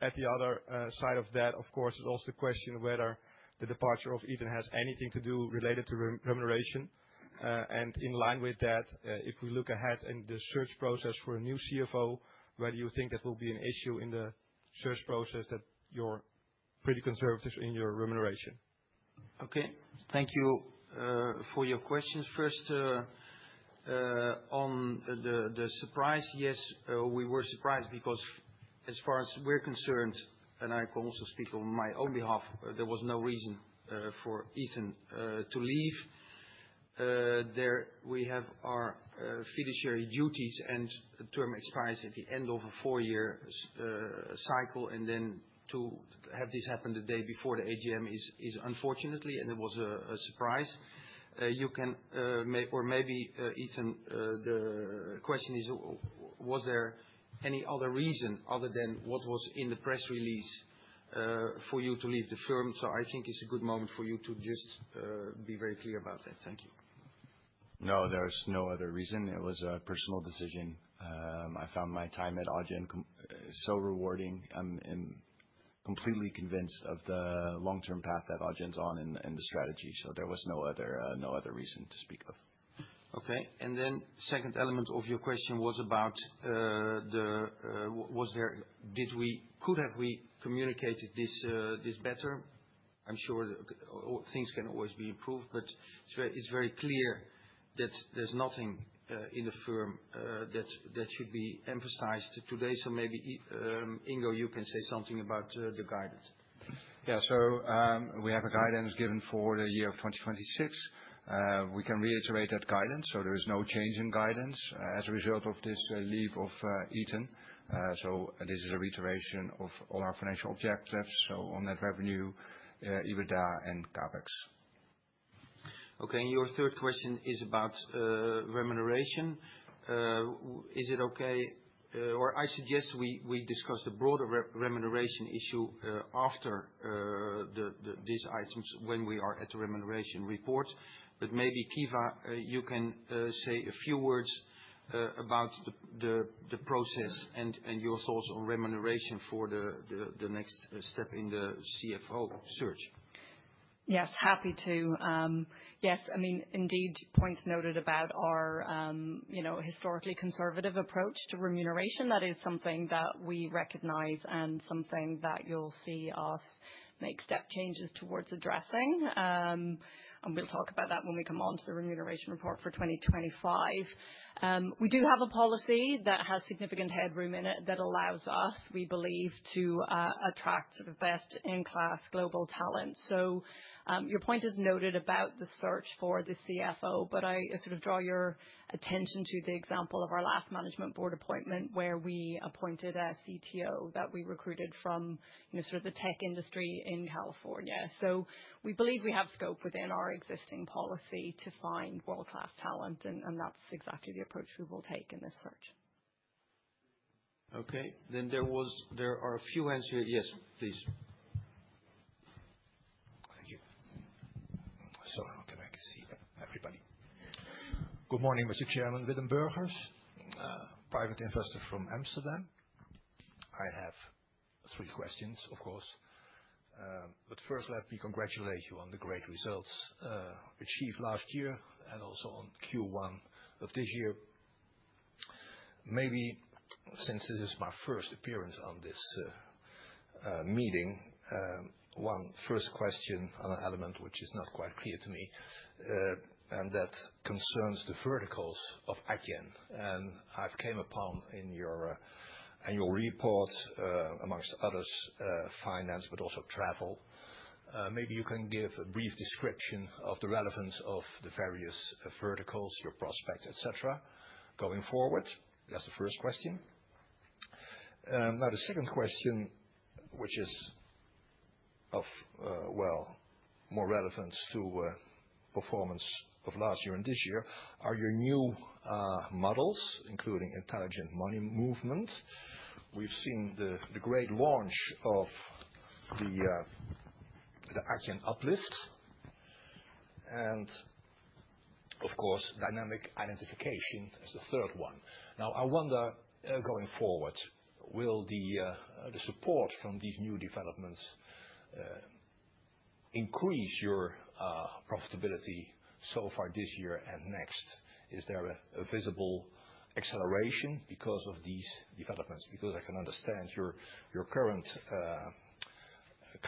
At the other side of that, of course, is also the question whether the departure of Ethan has anything to do related to remuneration. In line with that, if we look ahead in the search process for a new CFO, whether you think that will be an issue in the search process that you're pretty conservative in your remuneration. Okay. Thank you for your questions. First, on the surprise, yes, we were surprised because. As far as we're concerned, and I can also speak on my own behalf, there was no reason for Ethan to leave. There we have our fiduciary duties and the term expires at the end of a four year cycle, and then to have this happen the day before the AGM is unfortunate, and it was a surprise. Maybe, Ethan, the question is, was there any other reason other than what was in the press release for you to leave the firm? I think it's a good moment for you to just be very clear about that. Thank you. No, there's no other reason. It was a personal decision. I found my time at Adyen so rewarding. I'm completely convinced of the long-term path that Adyen's on and the strategy. There was no other reason to speak of. Okay. Then second element of your question was about could have we communicated this better? I'm sure things can always be improved, but it's very clear that there's nothing in the firm that should be emphasized today. Maybe, Ingo, you can say something about the guidance. Yeah. We have a guidance given for the year 2026. We can reiterate that guidance. There is no change in guidance as a result of this leave of Ethan. This is a reiteration of all our financial objectives. On net revenue, EBITDA and CapEx. Okay. Your third question is about remuneration. Is it okay or I suggest we discuss the broader remuneration issue after these items when we are at the remuneration report. Maybe, Caoimhe, you can say a few words about the process and your thoughts on remuneration for the next step in the CFO search. Yes. Happy to. Yes, indeed, point noted about our historically conservative approach to remuneration. That is something that we recognize and something that you'll see us make step changes towards addressing. We'll talk about that when we come onto the remuneration report for 2025. We do have a policy that has significant headroom in it that allows us, we believe, to attract the best-in-class global talent. Your point is noted about the search for the CFO, but I sort of draw your attention to the example of our last Management Board appointment, where we appointed a CTO that we recruited from the tech industry in California. We believe we have scope within our existing policy to find world-class talent, and that's exactly the approach we will take in this search. Okay. There are a few hands here. Yes, please. Thank you. Sorry, how can I see everybody? Good morning, Mr. Chairman, Witten Bercks, private investor from Amsterdam. I have three questions, of course. First let me congratulate you on the great results achieved last year and also on Q1 of this year. Maybe since this is my first appearance on this meeting, one first question on an element which is not quite clear to me, and that concerns the verticals of Adyen, and I've come upon in your annual report, amongst others, finance, but also travel. Maybe you can give a brief description of the relevance of the various verticals, your prospect, et cetera, going forward. That's the first question. The second question, which is of more relevance to performance of last year and this year are your new models, including Intelligent Money Movement. We've seen the great launch of the Adyen Uplift, of course, Dynamic Identification as the third one. I wonder, going forward, will the support from these new developments increase your profitability so far this year and next? Is there a visible acceleration because of these developments? I can understand your current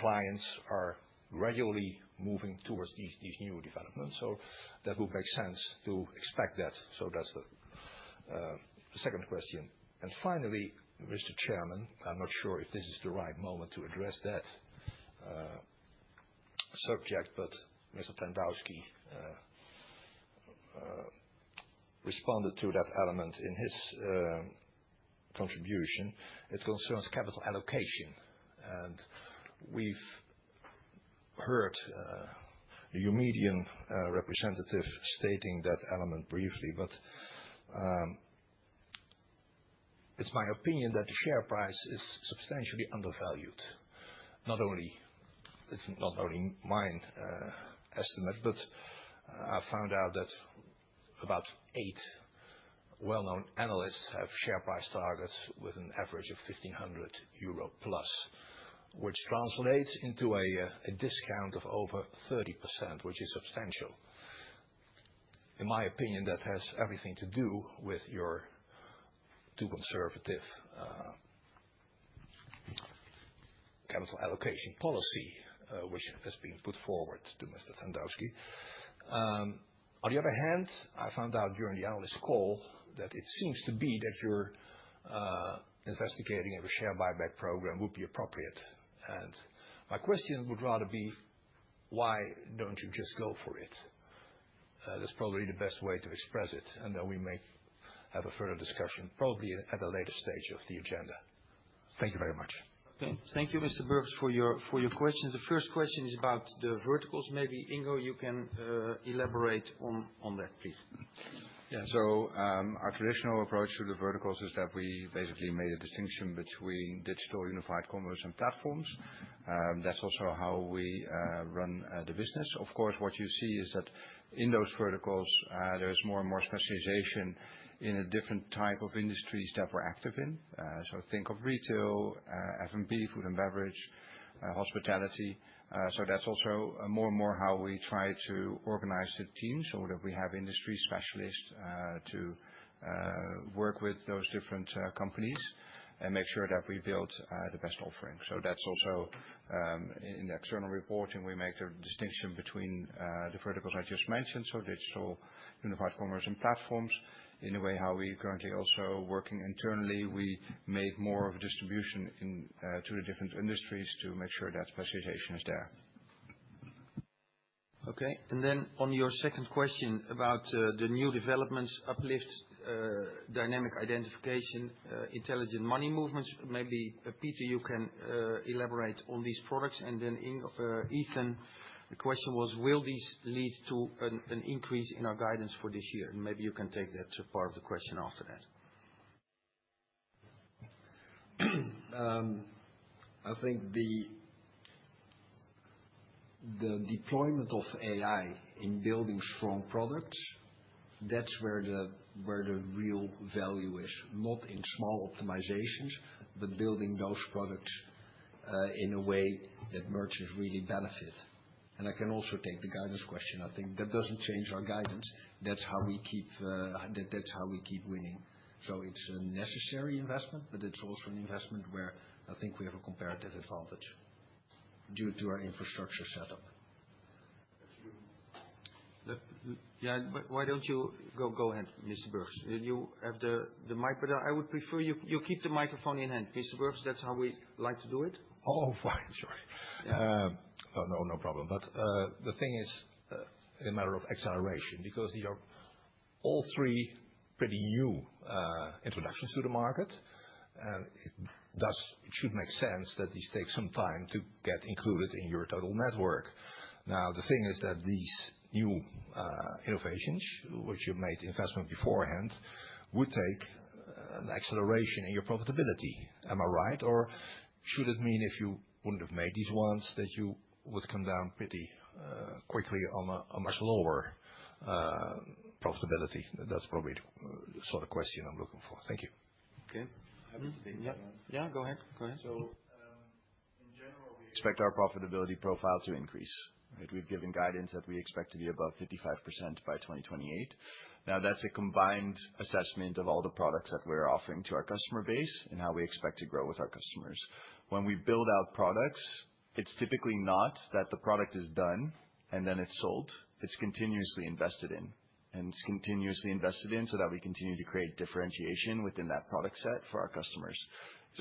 clients are regularly moving towards these new developments. That would make sense to expect that. Finally, Mr. Chairman, I'm not sure if this is the right moment to address that subject, Mr. Tandowsky responded to that element in his contribution. It concerns capital allocation, we've heard your media representative stating that element briefly, it's my opinion that the share price is substantially undervalued. Not only mine estimate, but I found out that about eight well-known analysts have share price targets with an average of 1,500+ euro, which translates into a discount of over 30%, which is substantial. In my opinion, that has everything to do with your too conservative, capital allocation policy, which has been put forward to Mr. Tandowsky. On the other hand, I found out during the analyst call that it seems to be that you're investigating if a share buyback program would be appropriate. My question would rather be, why don't you just go for it? That's probably the best way to express it, and then we may have a further discussion, probably at a later stage of the agenda. Thank you very much. Okay. Thank you, Mr. Bercks, for your questions. The first question is about the verticals. Maybe, Ingo, you can elaborate on that, please. Our traditional approach to the verticals is that we basically made a distinction between digital, unified commerce, and platforms. That's also how we run the business. Of course, what you see is that in those verticals, there's more and more specialization in a different type of industries that we're active in. Think of retail, F&B, food and beverage, hospitality. That's also more and more how we try to organize the team, so that we have industry specialists to work with those different companies and make sure that we build the best offering. That's also in the external reporting, we make the distinction between the verticals I just mentioned, digital, unified commerce, and platforms. In a way, how we're currently also working internally, we make more of a distribution to the different industries to make sure that specialization is there. Okay. On your second question about the new developments, Uplift, Dynamic Identification, Intelligent Money Movement, maybe, Pieter, you can elaborate on these products. Ethan, the question was, will these lead to an increase in our guidance for this year? Maybe you can take that part of the question after that. I think the deployment of AI in building strong products, that's where the real value is. Not in small optimizations, but building those products in a way that merchants really benefit. I can also take the guidance question. I think that doesn't change our guidance. That's how we keep winning. It's a necessary investment, but it's also an investment where I think we have a comparative advantage due to our infrastructure setup. Yeah. Why don't you go ahead, Mr. Bercks? You have the mic, but I would prefer you keep the microphone in hand, Mr. Bercks. That's how we like to do it. Oh, fine. Sorry. Yeah. No problem. The thing is a matter of acceleration, because they are all three pretty new introductions to the market. Thus, it should make sense that these take some time to get included in your total network. The thing is that these new innovations, which you made the investment beforehand, would take an acceleration in your profitability. Am I right? Should it mean if you wouldn't have made these ones, that you would come down pretty quickly on a much lower profitability? That's probably the sort of question I'm looking for. Thank you. Okay. I can take that one. Yeah, go ahead. In general, we expect our profitability profile to increase, right? We've given guidance that we expect to be above 55% by 2028. That's a combined assessment of all the products that we're offering to our customer base and how we expect to grow with our customers. When we build out products, it's typically not that the product is done and then it's sold. It's continuously invested in, and it's continuously invested in so that we continue to create differentiation within that product set for our customers.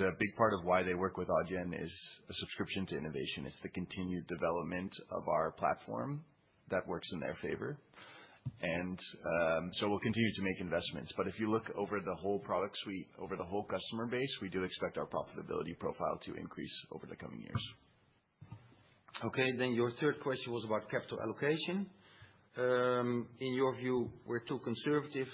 A big part of why they work with Adyen is a subscription to innovation. It's the continued development of our platform that works in their favor. We'll continue to make investments. If you look over the whole product suite, over the whole customer base, we do expect our profitability profile to increase over the coming years. Okay, your third question was about capital allocation. In your view, we're too conservative.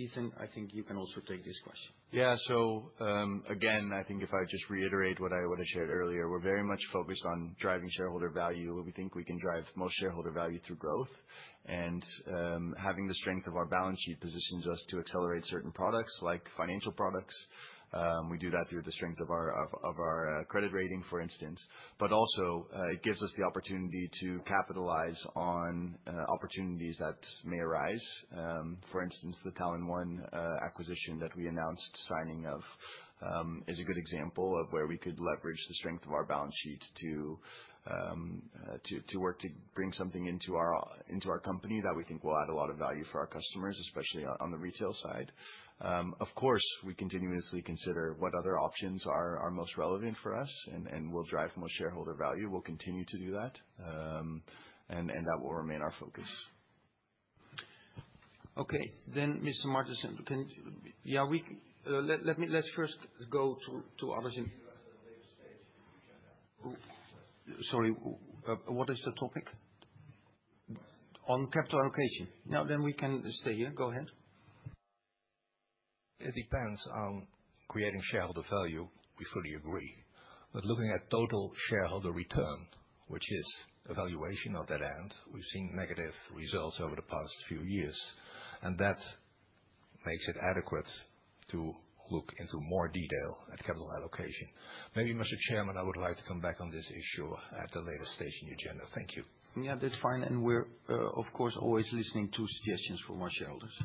Ethan, I think you can also take this question. Again, I think if I just reiterate what I shared earlier, we are very much focused on driving shareholder value. We think we can drive the most shareholder value through growth. Having the strength of our balance sheet positions us to accelerate certain products, like financial products. We do that through the strength of our credit rating, for instance. Also, it gives us the opportunity to capitalize on opportunities that may arise. For instance, the Talon.One acquisition that we announced signing of, is a good example of where we could leverage the strength of our balance sheet to work to bring something into our company that we think will add a lot of value for our customers, especially on the retail side. Of course, we continuously consider what other options are most relevant for us and will drive the most shareholder value. We'll continue to do that and that will remain our focus. Okay. Mr. Martensen, yeah, let's first go to others. At a later stage in the agenda. Sorry, what is the topic? On capital allocation. No, we can stay here. Go ahead. It depends on creating shareholder value, we fully agree. Looking at total shareholder return, which is a valuation of Adyen, we have seen negative results over the past few years, and that makes it adequate to look into more detail at capital allocation. Maybe, Mr. Chairman, I would like to come back on this issue at a later stage in the agenda. Thank you. Yeah, that's fine. We're, of course, always listening to suggestions from our shareholders.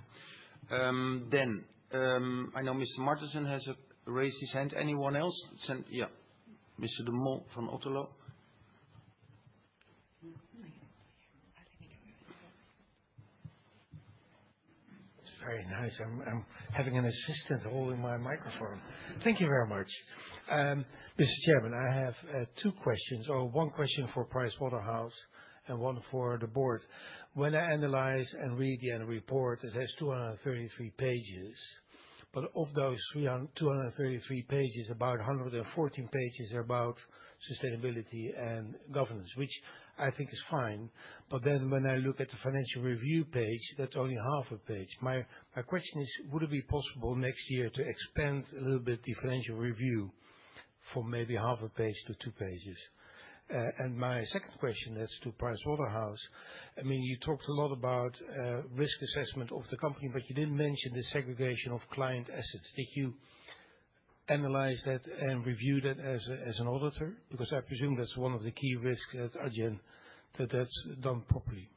I know Mr. Martensen has raised his hand. Anyone else? Yeah. Mr. de Mol from Otterlo. It's very nice. I'm having an assistant holding my microphone. Thank you very much. Mr. Chairman, I have two questions. One question for Pricewaterhouse and one for the board. When I analyze and read the annual report, it has 233 pages. Of those 233 pages, about 114 pages are about sustainability and governance, which I think is fine. When I look at the financial review page, that's only half a page. My question is, would it be possible next year to expand a little bit the financial review from maybe half a page to two pages? My second question is to Pricewaterhouse. You talked a lot about risk assessment of the company, but you didn't mention the segregation of client assets. Did you analyze that and review that as an auditor? I presume that's one of the key risks at Adyen that that's done properly.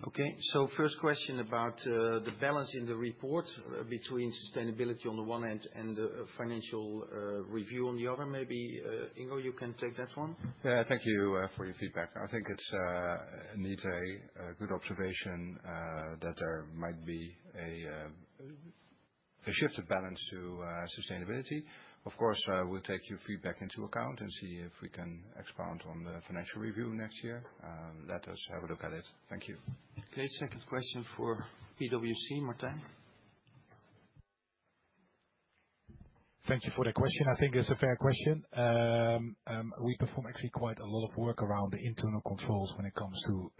Thank you. Okay. First question about the balance in the report between sustainability on the one hand and the financial review on the other, maybe, Ingo, you can take that one. Yeah. Thank you for your feedback. I think it's neat, a good observation that there might be a shift of balance to sustainability. Of course, we'll take your feedback into account and see if we can expand on the financial review next year. Let us have a look at it. Thank you. Okay. Second question for PwC, Martijn. Thank you for the question. I think it's a fair question. We perform actually quite a lot of work around the internal controls when it comes to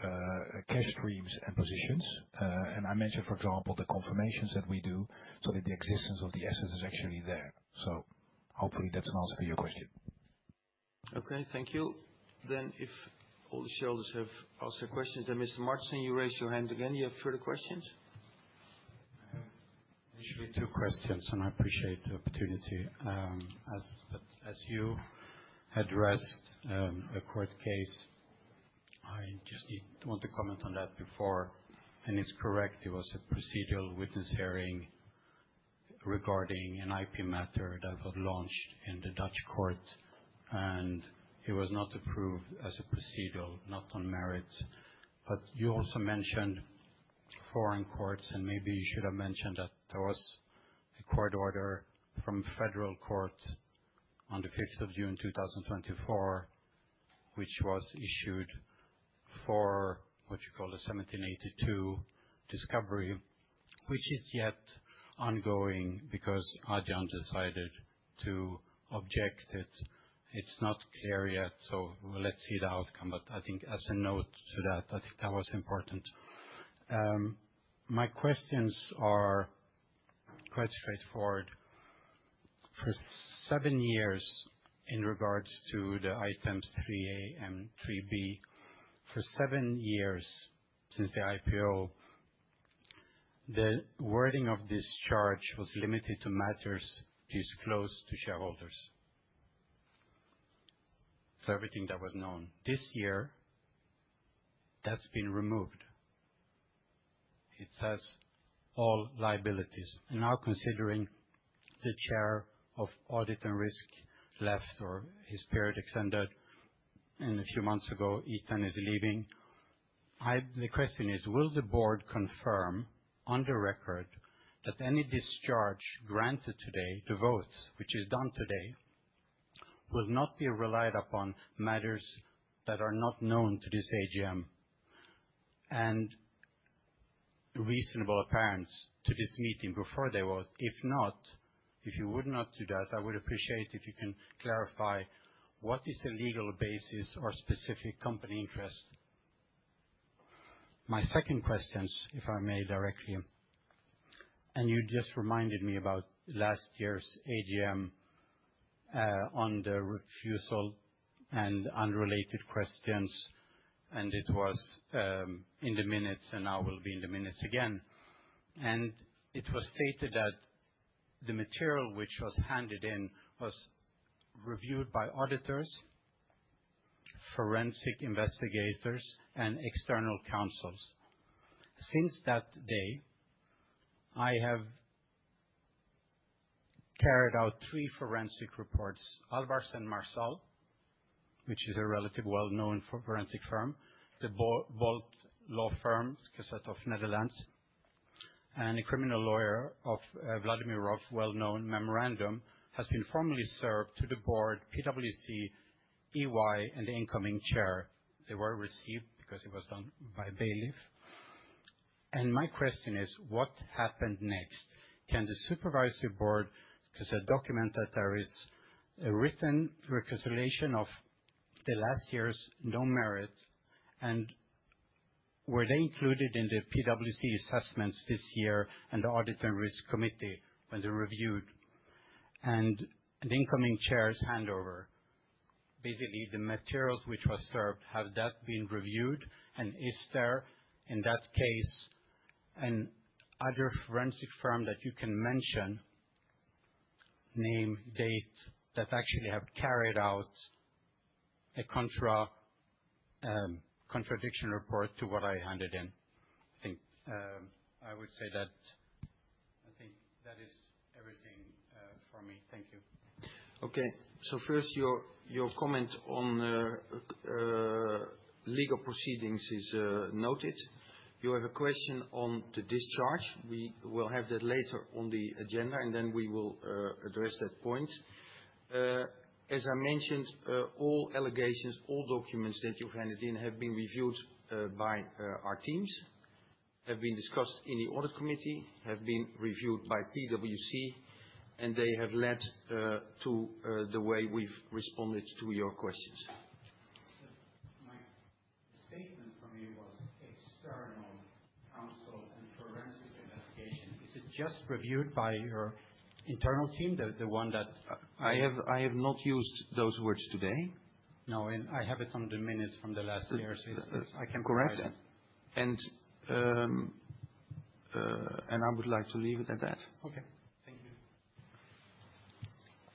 cash streams and positions. I mentioned, for example, the confirmations that we do so that the existence of the assets is actually there. Hopefully, that's an answer for your question. Okay. Thank you. If all the shareholders have asked their questions, then Mr. Martensen, you raised your hand again. You have further questions? Actually, two questions. I appreciate the opportunity. As you addressed a court case, I just want to comment on that before. It is correct, it was a procedural witness hearing regarding an IP matter that got launched in the Dutch court. It was not approved as a procedural, not on merits. You also mentioned foreign courts. Maybe you should have mentioned that there was a court order from federal court on the 5th of June 2024, which was issued for what you call the 1782 discovery, which is yet ongoing because Adyen decided to object it. It is not clear yet. Let's see the outcome. I think as a note to that, I think that was important. My questions are quite straightforward. For seven years, in regards to the items 3A and 3B, for seven years since the IPO, the wording of this charge was limited to matters disclosed to shareholders. Everything that was known. This year, that's been removed. It says all liabilities. Now considering the Chair of Audit and Risk left or his period extended, a few months ago, Ethan is leaving, the question is, will the board confirm on the record that any discharge granted today, the votes, which is done today, will not be relied upon matters that are not known to this AGM and reasonable appearance to this meeting before they vote? If not, if you would not do that, I would appreciate if you can clarify what is the legal basis or specific company interest? My second questions, if I may, directly, you just reminded me about last year's AGM, on the refusal and unrelated questions, and it was in the minutes and now will be in the minutes again. It was stated that the material which was handed in was reviewed by auditors, forensic investigators, and external counsels. Since that day, I have carried out three forensic reports. Alvarez & Marsal, which is a relatively well-known forensic firm, the BOLT law firm, cassette of Netherlands, and a criminal lawyer of Vladimir Ough's well-known memorandum has been formally served to the board, PwC, EY, and the incoming Chair. They were received because it was done by bailiff. My question is, what happened next? Can the Supervisory Board, because the document that there is a written reconciliation of the last year's no merit, and were they included in the PwC assessments this year and the Audit and Risk committee when they reviewed and the incoming chair's handover? Basically, the materials which were served, have that been reviewed, and is there, in that case, an other forensic firm that you can mention, name, date, that actually have carried out a contradiction report to what I handed in. I think I would say that is everything for me. Thank you. Okay. First, your comment on legal proceedings is noted. You have a question on the discharge. We will have that later on the agenda. We will address that point. As I mentioned, all allegations, all documents that you handed in have been reviewed by our teams, have been discussed in the Audit Committee, have been reviewed by PwC. They have led to the way we've responded to your questions. My statement from me was external counsel and forensic investigation. Is it just reviewed by your internal team? I have not used those words today. No. I have it on the minutes from the last year, so I can provide it. Correct. I would like to leave it at that.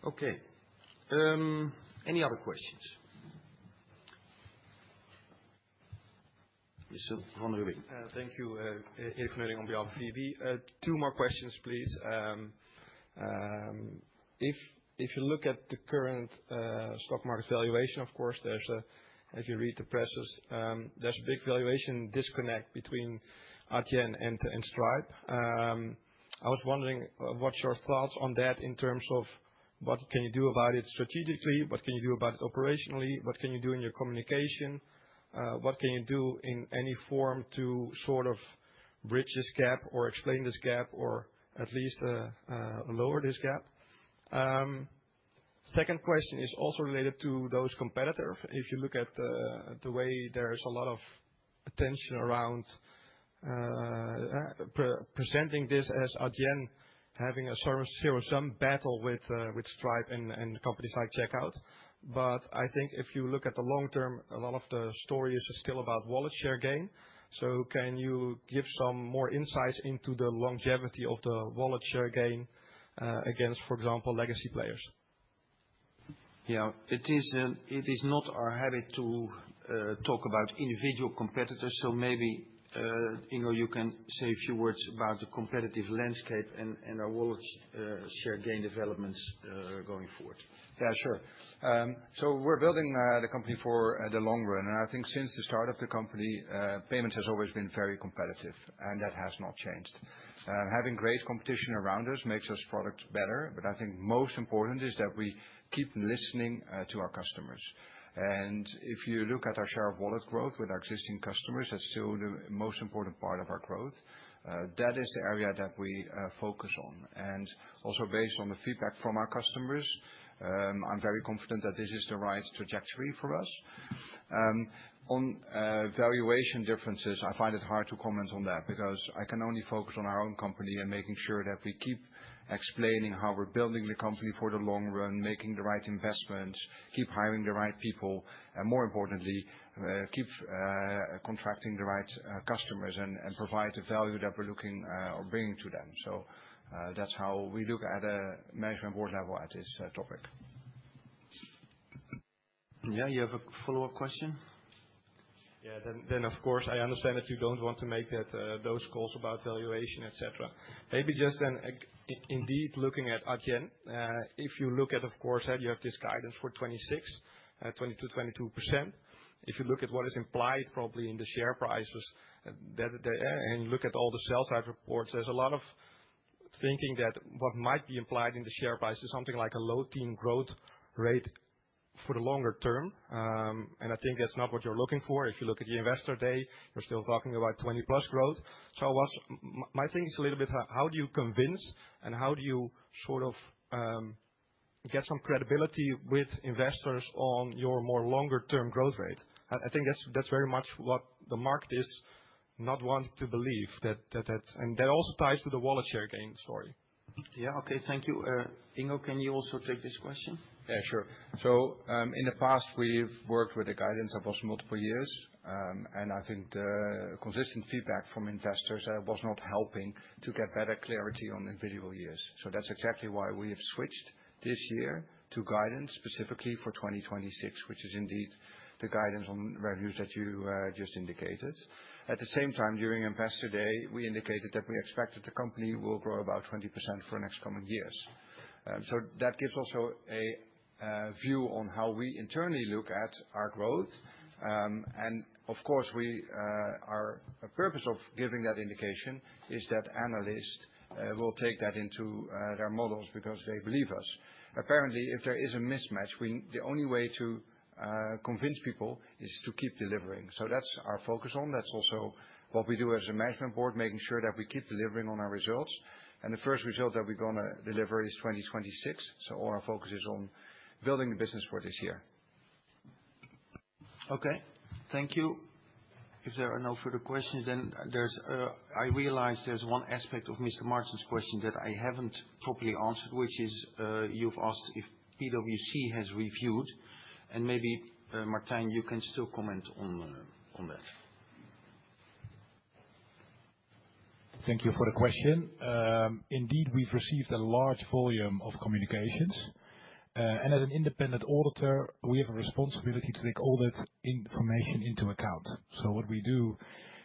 Okay. Thank you. Okay. Any other questions? Mr. Mudding. Thank you. James Mudding on behalf of VEB. Two more questions, please. If you look at the current stock market valuation, of course, as you read the press, there's a big valuation disconnect between Adyen and Stripe. I was wondering, what's your thoughts on that in terms of what can you do about it strategically? What can you do about it operationally? What can you do in your communication? What can you do in any form to bridge this gap or explain this gap or at least, lower this gap? Second question is also related to those competitors. If you look at the way there's a lot of attention around presenting this as Adyen having a service zero-sum battle with Stripe and companies like Checkout. I think if you look at the long term, a lot of the story is still about wallet share gain. Can you give some more insights into the longevity of the wallet share gain, against, for example, legacy players? Yeah. It is not our habit to talk about individual competitors. Maybe, Ingo, you can say a few words about the competitive landscape and our wallet share gain developments going forward. Yeah, sure. We're building the company for the long run, and I think since the start of the company, payments has always been very competitive, and that has not changed. Having great competition around us makes our products better, I think most important is that we keep listening to our customers. If you look at our share of wallet growth with our existing customers, that's still the most important part of our growth. That is the area that we focus on. Also based on the feedback from our customers, I'm very confident that this is the right trajectory for us. On valuation differences, I find it hard to comment on that, because I can only focus on our own company and making sure that we keep explaining how we're building the company for the long run, making the right investments, keep hiring the right people, and more importantly, keep contracting the right customers and provide the value that we're looking or bringing to them. That's how we look at a Management Board level at this topic. Yeah. You have a follow-up question? Of course, I understand that you don't want to make those calls about valuation, et cetera. Maybe just indeed looking at Adyen. If you look at, of course, how you have this guidance for 2026, 20%-22%. If you look at what is implied probably in the share prices and you look at all the sell-side reports, there's a lot of thinking that what might be implied in the share price is something like a low-teen growth rate for the longer term. I think that's not what you're looking for. If you look at the Investor Day, you're still talking about 20%+ growth. My thing is a little bit, how do you convince, and how do you sort of get some credibility with investors on your more longer-term growth rate? I think that's very much what the market is not wanting to believe. That also ties to the wallet share gain story. Yeah. Okay. Thank you. Ingo, can you also take this question? Yeah, sure. In the past, we've worked with the guidance across multiple years. I think the consistent feedback from investors was not helping to get better clarity on individual years. That's exactly why we have switched this year to guidance specifically for 2026, which is indeed the guidance on revenues that you just indicated. At the same time, during Investor Day, we indicated that we expect that the company will grow about 20% for next coming years. That gives also a view on how we internally look at our growth. Of course, our purpose of giving that indication is that analysts will take that into their models because they believe us. Apparently, if there is a mismatch, the only way to convince people is to keep delivering. That's our focus on. That is also what we do as a Management Board, making sure that we keep delivering on our results. The first result that we are going to deliver is 2026. All our focus is on building the business for this year. Okay. Thank you. If there are no further questions, I realize there's one aspect of Mr. Martensen's question that I haven't properly answered, which is, you've asked if PwC has reviewed and maybe, Martijn, you can still comment on that. Thank you for the question. Indeed, we've received a large volume of communications. As an independent auditor, we have a responsibility to take all that information into account. What we do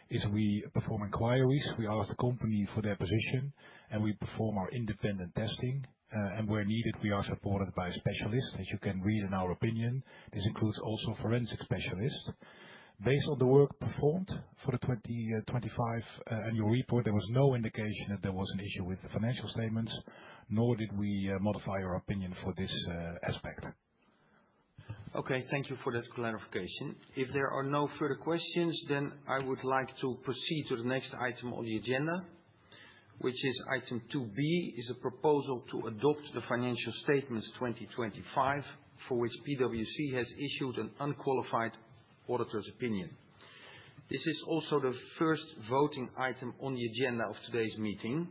is we perform inquiries. We ask the company for their position, and we perform our independent testing. Where needed, we are supported by specialists, as you can read in our opinion. This includes also forensic specialists. Based on the work performed for the 2025 annual report, there was no indication that there was an issue with the financial statements, nor did we modify our opinion for this aspect. Okay, thank you for that clarification. If there are no further questions, I would like to proceed to the next item on the agenda, which is item 2B, a proposal to adopt the financial statements 2025 for which PwC has issued an unqualified auditor's opinion. This is also the first voting item on the agenda of today's meeting.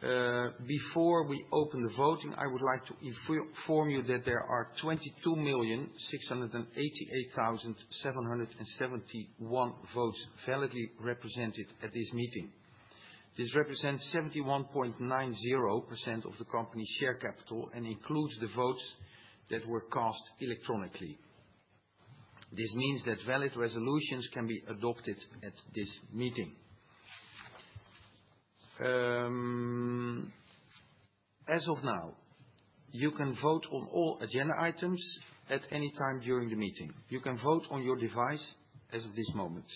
Before we open the voting, I would like to inform you that there are 22,688,771 votes validly represented at this meeting. This represents 71.90% of the company's share capital and includes the votes that were cast electronically. This means that valid resolutions can be adopted at this meeting. You can vote on all agenda items at any time during the meeting. You can vote on your device as of this moment.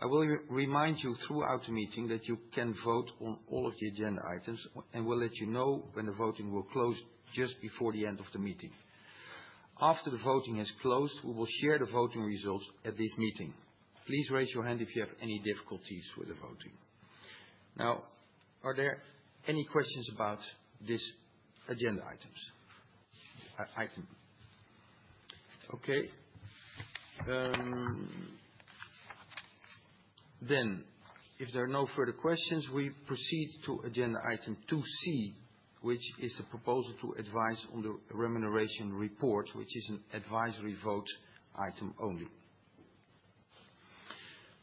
I will remind you throughout the meeting that you can vote on all of the agenda items, and we will let you know when the voting will close just before the end of the meeting. After the voting has closed, we will share the voting results at this meeting. Please raise your hand if you have any difficulties with the voting. Are there any questions about these agenda items? Okay. If there are no further questions, we proceed to agenda item 2C, which is the proposal to advise on the remuneration report, which is an advisory vote item only.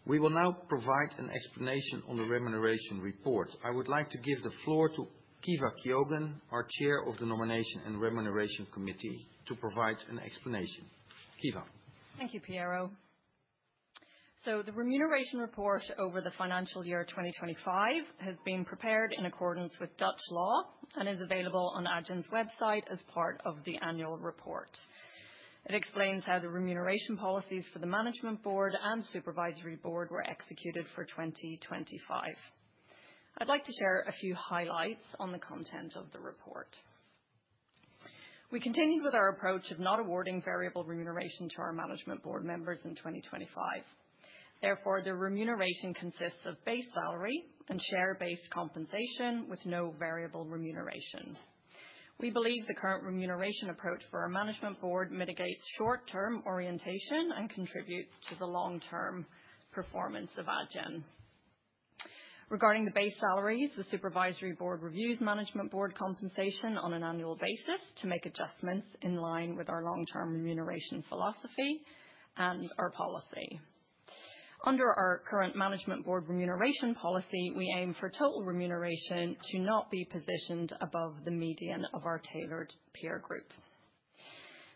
We will now provide an explanation on the remuneration report. I would like to give the floor to Caoimhe Keogan, our Chair of the Nomination and Remuneration Committee, to provide an explanation. Caoimhe. Thank you, Piero. The remuneration report over the financial year 2025 has been prepared in accordance with Dutch law and is available on Adyen's website as part of the annual report. It explains how the remuneration policies for the Management Board and Supervisory Board were executed for 2025. I'd like to share a few highlights on the content of the report. We continued with our approach of not awarding variable remuneration to our Management Board members in 2025. Therefore, the remuneration consists of base salary and share-based compensation with no variable remuneration. We believe the current remuneration approach for our Management Board mitigates short-term orientation and contributes to the long-term performance of Adyen. Regarding the base salaries, the Supervisory Board reviews Management Board compensation on an annual basis to make adjustments in line with our long-term remuneration philosophy and our policy. Under our current Management Board remuneration policy, we aim for total remuneration to not be positioned above the median of our tailored peer group.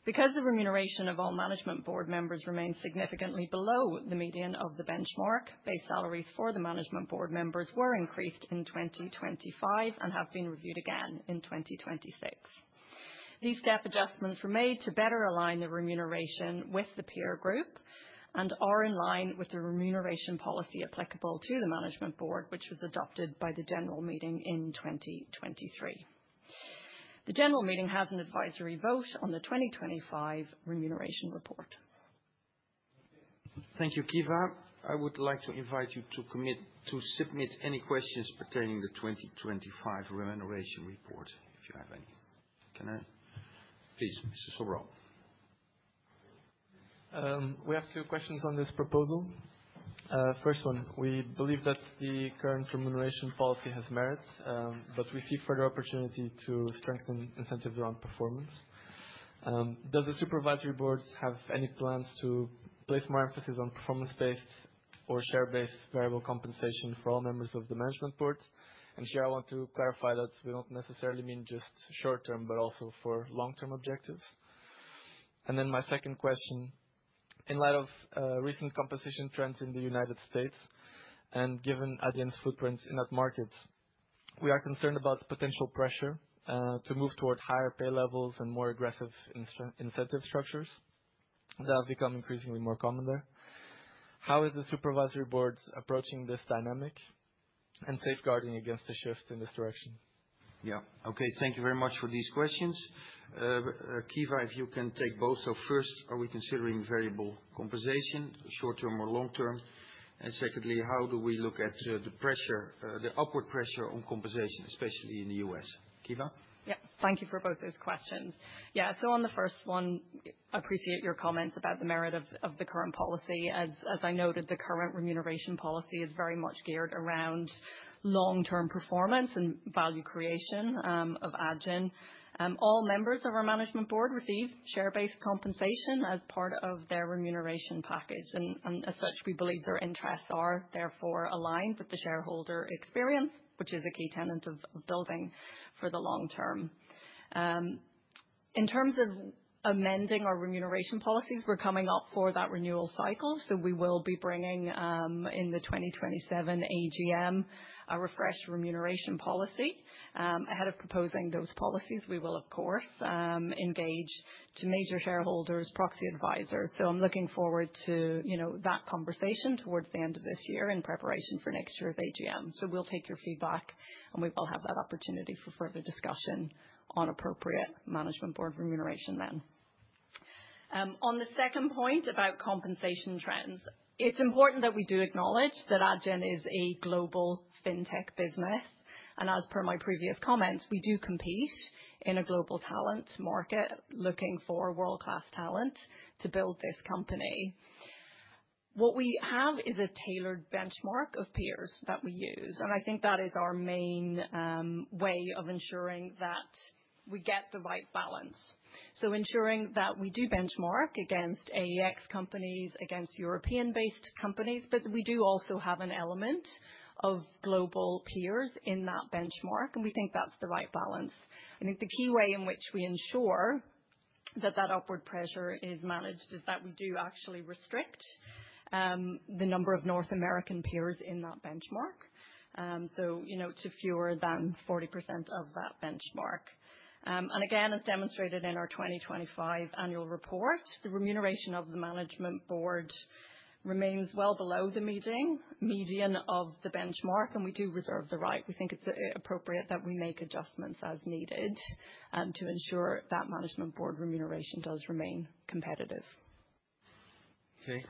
Because the remuneration of all Management Board members remains significantly below the median of the benchmark, base salaries for the Management Board members were increased in 2025 and have been reviewed again in 2026. These step adjustments were made to better align the remuneration with the peer group and are in line with the remuneration policy applicable to the Management Board, which was adopted by the general meeting in 2023. The general meeting has an advisory vote on the 2025 remuneration report. Thank you, Caoimhe. I would like to invite you to submit any questions pertaining the 2025 remuneration report, if you have any. Can I? Please, Mr. Sobral. We have two questions on this proposal. First one, we believe that the current remuneration policy has merit, but we see further opportunity to strengthen incentives around performance. Does the Supervisory Board have any plans to place more emphasis on performance-based or share-based variable compensation for all members of the Management Board? Here I want to clarify that we don't necessarily mean just short-term, but also for long-term objectives. My second question, in light of recent composition trends in the United States and given Adyen's footprint in that market, we are concerned about potential pressure to move towards higher pay levels and more aggressive incentive structures that have become increasingly more common there. How is the Supervisory Board approaching this dynamic and safeguarding against the shift in this direction? Yeah. Okay. Thank you very much for these questions. Caoimhe, if you can take both. First, are we considering variable compensation, short-term or long-term? Secondly, how do we look at the upward pressure on compensation, especially in the U.S.? Caoimhe? Thank you for both those questions. On the first one, appreciate your comments about the merit of the current policy. As I noted, the current remuneration policy is very much geared around long-term performance and value creation of Adyen. All members of our Management Board receive share-based compensation as part of their remuneration package. As such, we believe their interests are therefore aligned with the shareholder experience, which is a key tenet of building for the long term. In terms of amending our remuneration policies, we're coming up for that renewal cycle. We will be bringing, in the 2027 AGM, a refreshed remuneration policy. Ahead of proposing those policies, we will, of course, engage to major shareholders proxy advisors. I'm looking forward to that conversation towards the end of this year in preparation for next year's AGM. We'll take your feedback, and we will have that opportunity for further discussion on appropriate Management Board remuneration then. On the second point about compensation trends, it is important that we do acknowledge that Adyen is a global fintech business, and as per my previous comments, we do compete in a global talent market looking for world-class talent to build this company. What we have is a tailored benchmark of peers that we use, and I think that is our main way of ensuring that we get the right balance. Ensuring that we do benchmark against AEX companies, against European-based companies, but we do also have an element of global peers in that benchmark, and we think that is the right balance. I think the key way in which we ensure that that upward pressure is managed is that we do actually restrict the number of North American peers in that benchmark, to fewer than 40% of that benchmark. Again, as demonstrated in our 2025 annual report, the remuneration of the Management Board remains well below the median of the benchmark, and we do reserve the right. We think it's appropriate that we make adjustments as needed, to ensure that Management Board remuneration does remain competitive. Okay.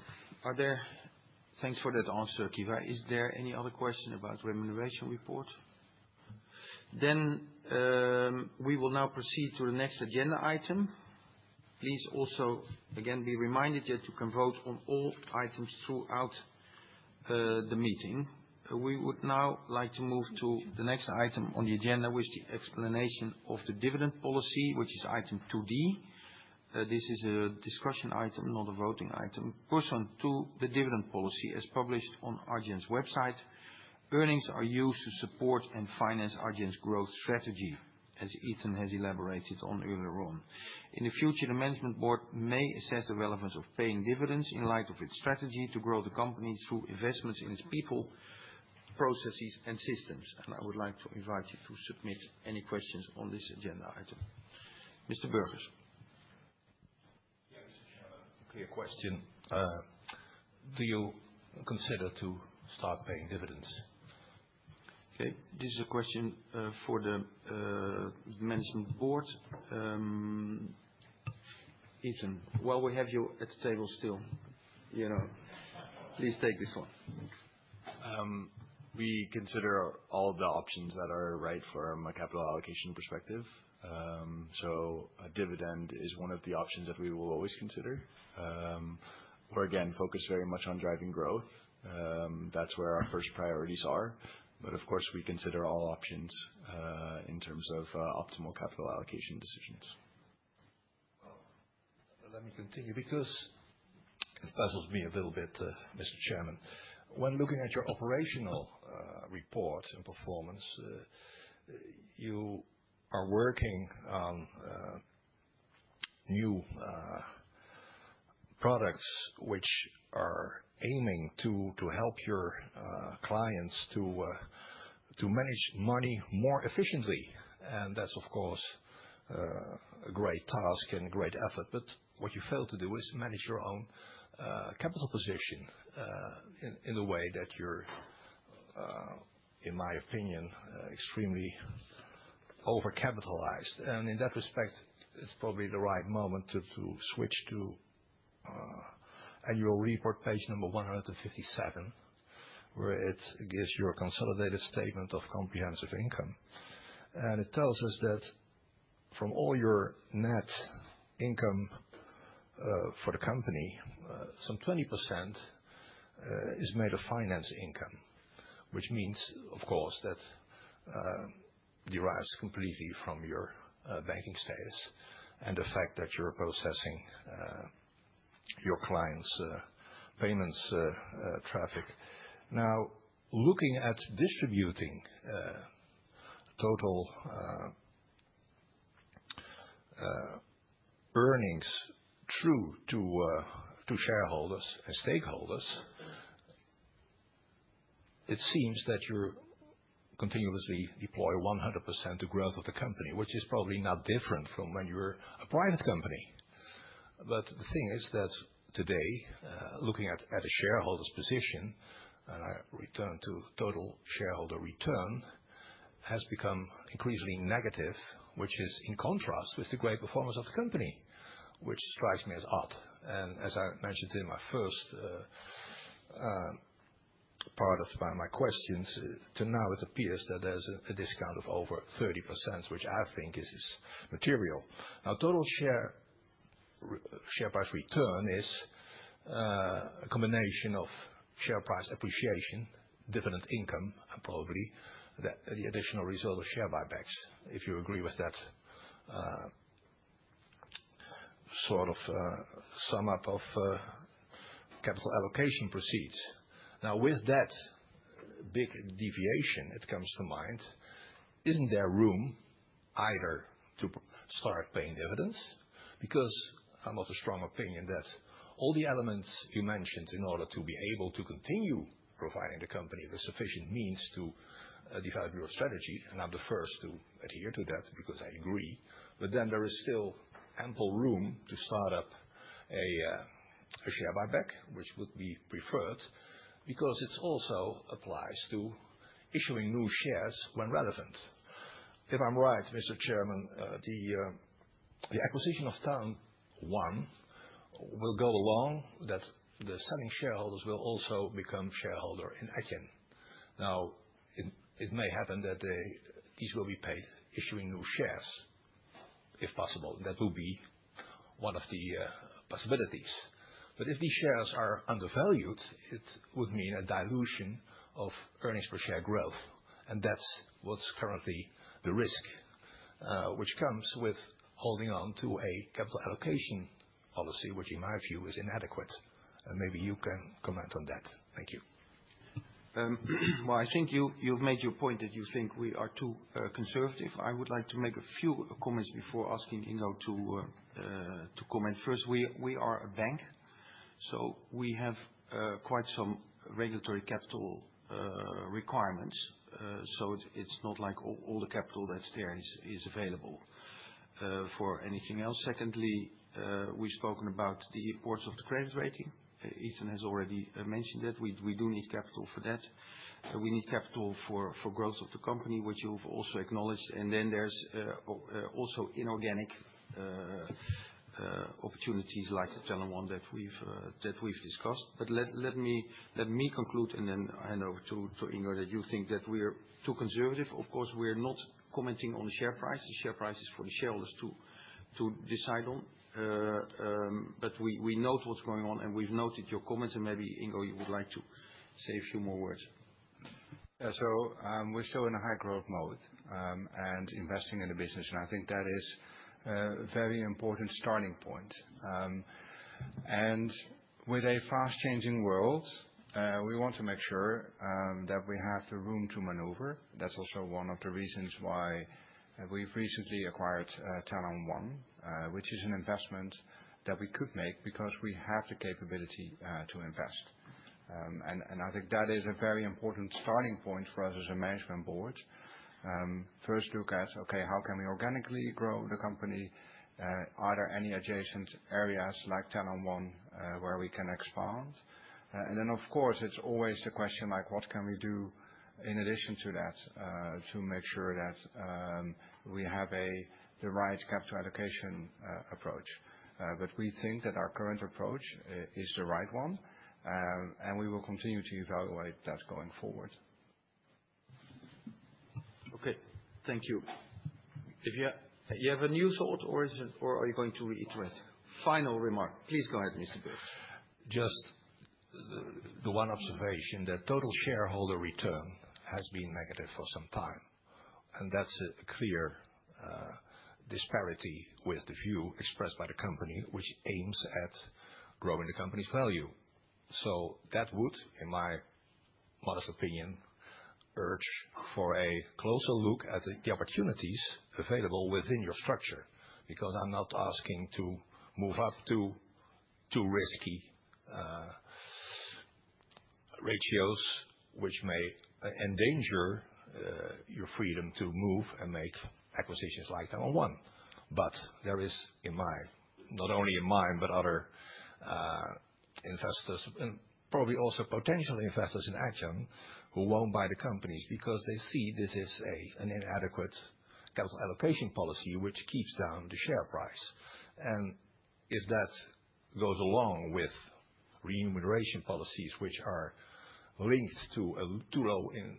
Thanks for that answer, Caoimhe. Is there any other question about remuneration report? We will now proceed to the next agenda item. Please also, again, be reminded that you can vote on all items throughout the meeting. We would now like to move to the next item on the agenda, which is explanation of the dividend policy, which is item 2D. This is a discussion item, not a voting item. Pursuant to the dividend policy as published on Adyen's website, earnings are used to support and finance Adyen's growth strategy, as Ethan has elaborated on earlier on. In the future, the Management Board may assess the relevance of paying dividends in light of its strategy to grow the company through investments in its people, processes, and systems. I would like to invite you to submit any questions on this agenda item. Mr. Bercks. Yeah. Mr. Chairman, a clear question. Do you consider to start paying dividends? Okay, this is a question for the Management Board. Ethan, while we have you at the table still, please take this one. We consider all of the options that are right from a capital allocation perspective. A dividend is one of the options that we will always consider. We're, again, focused very much on driving growth. That's where our first priorities are. Of course, we consider all options, in terms of optimal capital allocation decisions. Let me continue, because it puzzles me a little bit, Mr. Chairman. When looking at your operational report and performance, you are working on new products which are aiming to help your clients to manage money more efficiently. That's, of course, a great task and great effort. What you fail to do is manage your own capital position in a way that you're, in my opinion, extremely over-capitalized. In that respect, it's probably the right moment to switch to annual report page number 157, where it gives your consolidated statement of comprehensive income. It tells us that from all your net income for the company, some 20% is made of finance income, which means, of course, that derives completely from your banking status and the fact that you're processing your clients' payments traffic. Now looking at distributing total earnings true to shareholders and stakeholders, it seems that you continuously deploy 100% to growth of the company, which is probably not different from when you were a private company. The thing is that today, looking at a shareholder's position and return to total shareholder return, has become increasingly negative, which is in contrast with the great performance of the company, which strikes me as odd. As I mentioned in my first part of my questions, it appears that there's a discount of over 30%, which I think is material. Total share price return is a combination of share price appreciation, dividend income, and probably the additional result of share buybacks, if you agree with that sort of sum up of capital allocation proceeds. With that big deviation, it comes to mind, isn't there room either to start paying dividends? I'm of the strong opinion that all the elements you mentioned in order to be able to continue providing the company the sufficient means to develop your strategy, and I'm the first to adhere to that because I agree, there is still ample room to start up a share buyback, which would be preferred, because it also applies to issuing new shares when relevant. If I'm right, Mr. Chairman, the acquisition of Talon.One will go along that the selling shareholders will also become shareholder in Adyen. It may happen that these will be paid issuing new shares, if possible. That will be one of the possibilities. If these shares are undervalued, it would mean a dilution of earnings per share growth. That's what's currently the risk, which comes with holding on to a capital allocation policy, which in my view is inadequate. Maybe you can comment on that. Thank you. Well, I think you've made your point that you think we are too conservative. I would like to make a few comments before asking Ingo to comment. We are a bank, we have quite some regulatory capital requirements. It's not like all the capital that's there is available for anything else. We've spoken about the importance of the credit rating. Ethan has already mentioned that. We do need capital for that. We need capital for growth of the company, which you've also acknowledged. There's also inorganic opportunities like Talon.One that we've discussed. Let me conclude, I know, too, Ingo, that you think that we're too conservative. We're not commenting on the share price. The share price is for the shareholders to decide on. We note what's going on, we've noted your comments. Maybe, Ingo, you would like to say a few more words. We're still in a high-growth mode, and investing in the business, and I think that is a very important starting point. With a fast-changing world, we want to make sure that we have the room to maneuver. That's also one of the reasons why we've recently acquired Talon.One, which is an investment that we could make because we have the capability to invest. I think that is a very important starting point for us as a Management Board. First look at, okay, how can we organically grow the company? Are there any adjacent areas like Talon.One where we can expand? Of course, it's always the question like, what can we do in addition to that to make sure that we have the right capital allocation approach? We think that our current approach is the right one and we will continue to evaluate that going forward. Okay. Thank you. You have a new thought, or are you going to reiterate? Final remark. Please go ahead, Mr. Bercks. Just the one observation, that total shareholder return has been negative for some time. That's a clear disparity with the view expressed by the company, which aims at growing the company's value. That would, in my modest opinion, urge for a closer look at the opportunities available within your structure. I'm not asking to move up to risky ratios which may endanger your freedom to move and make acquisitions like Talon.One. There is, not only in mine, but other investors and probably also potential investors in Adyen who won't buy the companies because they see this is an inadequate capital allocation policy which keeps down the share price. If that goes along with remuneration policies which are linked to a too low in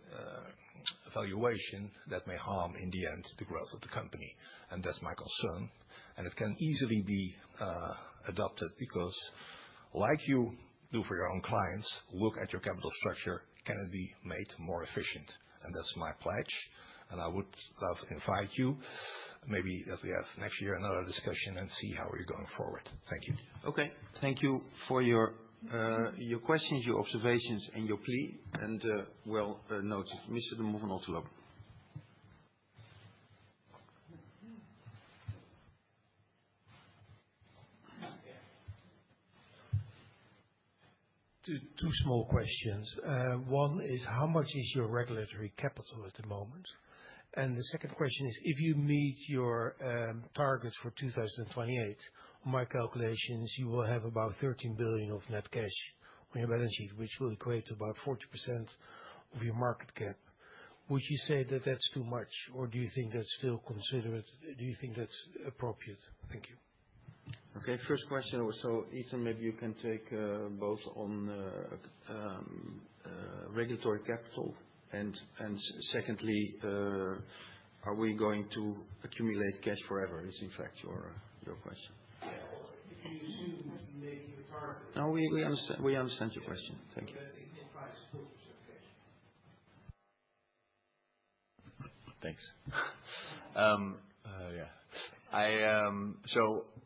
valuation, that may harm, in the end, the growth of the company. That's my concern. It can easily be adopted because, like you do for your own clients, look at your capital structure, can it be made more efficient? That's my pledge. I would love to invite you, maybe if we have next year another discussion and see how we're going forward. Thank you. Okay. Thank you for your questions, your observations, and your plea, and well noted. Mr. de Mol of Otterlo. Two small questions. One is, how much is your regulatory capital at the moment? The second question is, if you meet your targets for 2028, my calculation is you will have about 13 billion of net cash on your balance sheet, which will equate to about 40% of your market cap. Would you say that that's too much, or do you think that's appropriate? Thank you. Okay. First question, Ethan, maybe you can take both on regulatory capital and secondly, are we going to accumulate cash forever? Is in fact your question. Yeah. No, we understand your question. Thank you. I think you'll try to support yourself with cash. Thanks.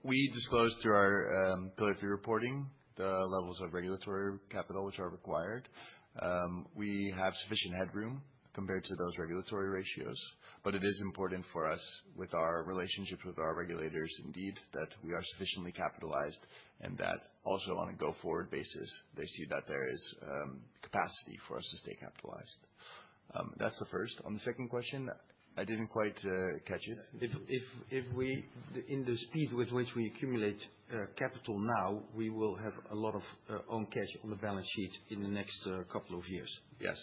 We disclose through our Pillar 3 reporting the levels of regulatory capital which are required. We have sufficient headroom compared to those regulatory ratios. It is important for us, with our relationships with our regulators, indeed, that we are sufficiently capitalized and that also on a go-forward basis, they see that there is capacity for us to stay capitalized. That's the first. On the second question, I didn't quite catch it. If we, in the speed with which we accumulate capital now, we will have a lot of own cash on the balance sheet in the next couple of years. Yes.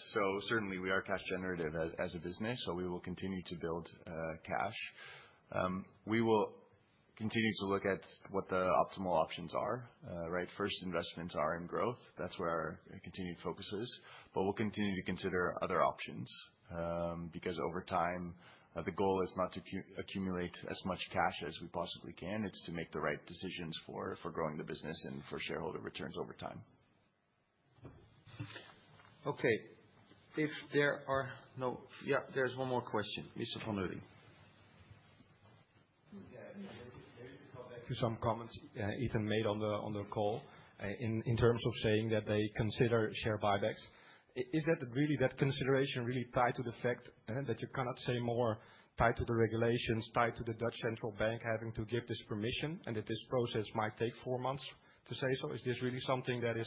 Certainly we are cash generative as a business, so we will continue to build cash. We will continue to look at what the optimal options are, right? First investments are in growth. That's where our continued focus is. We'll continue to consider other options, because over time, the goal is not to accumulate as much cash as we possibly can, it's to make the right decisions for growing the business and for shareholder returns over time. Okay. If there are no- Yeah, there's one more question. Mr. Mudding. Yeah. Maybe to go back to some comments Ethan made on the call, in terms of saying that they consider share buybacks. Is that consideration really tied to the fact that you cannot say more tied to the regulations, tied to the Dutch Central Bank having to give this permission, and that this process might take four months to say so? Is this really something that is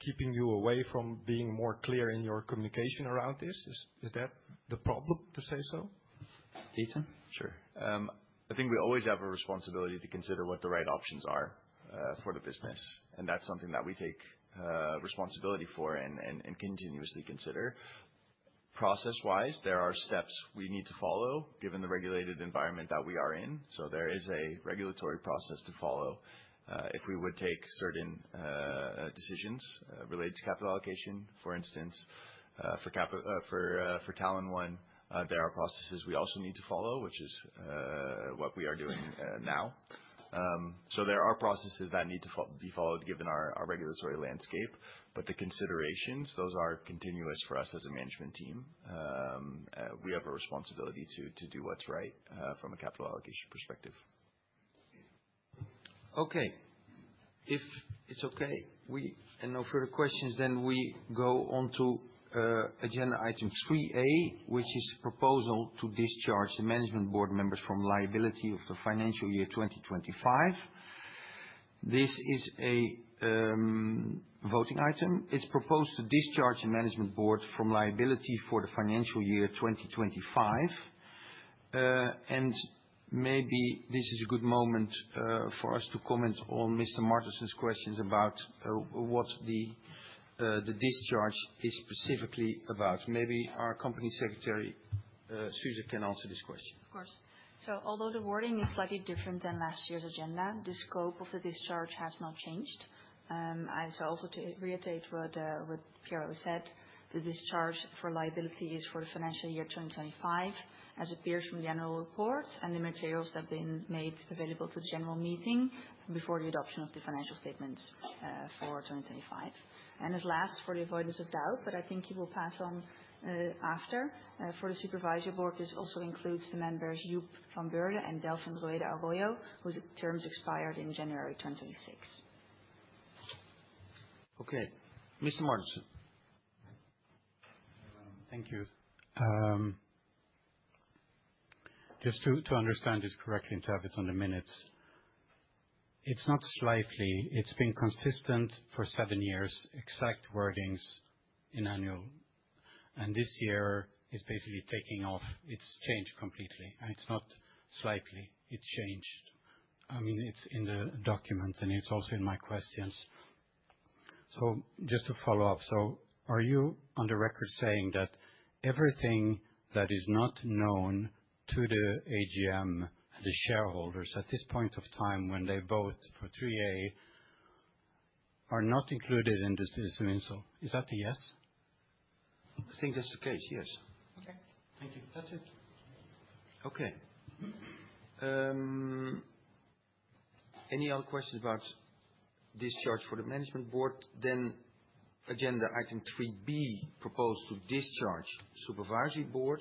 keeping you away from being more clear in your communication around this? Is that the problem, to say so? Ethan? Sure. I think we always have a responsibility to consider what the right options are for the business. That's something that we take responsibility for and continuously consider. Process-wise, there are steps we need to follow given the regulated environment that we are in. There is a regulatory process to follow if we would take certain decisions related to capital allocation. For instance, for Talon.One, there are processes we also need to follow, which is what we are doing now. There are processes that need to be followed given our regulatory landscape. The considerations, those are continuous for us as a management team. We have a responsibility to do what's right from a capital allocation perspective. Okay. If it's okay and no further questions, then we go on to agenda item 3A, which is proposal to discharge the Management Board members from liability of the financial year 2025. This is a voting item. It's proposed to discharge the Management Board from liability for the financial year 2025. Maybe this is a good moment for us to comment on Mr. Martensen's questions about what the discharge is specifically about. Maybe our Company Secretary, Suze, can answer this question. Of course. Although the wording is slightly different than last year's agenda, the scope of the discharge has not changed. To reiterate what Piero said, the discharge for liability is for the financial year 2025, as appears from the annual report and the materials that have been made available for the general meeting before the adoption of the financial statements for 2025. As last, for the avoidance of doubt, but I think you will pass on after, for the Supervisory Board, this also includes the members Joep van Beurden and Delfin Rueda Arroyo, whose terms expired in January 2016. Okay, Mr. Martensen. Thank you. Just to understand this correctly and to have it on the minutes, it's not slightly, it's been consistent for seven years, exact wordings in annual, and this year is basically taking off. It's changed completely, it's not slightly. It's changed. It's in the document, it's also in my questions. Just to follow up, are you on the record saying that everything that is not known to the AGM and the shareholders at this point of time when they vote for 3A are not included in this? Is that a yes? I think that's the case, yes. Okay. Thank you. That is it. Okay. Any other questions about discharge for the Management Board? Agenda item 3B, proposed to discharge Supervisory Board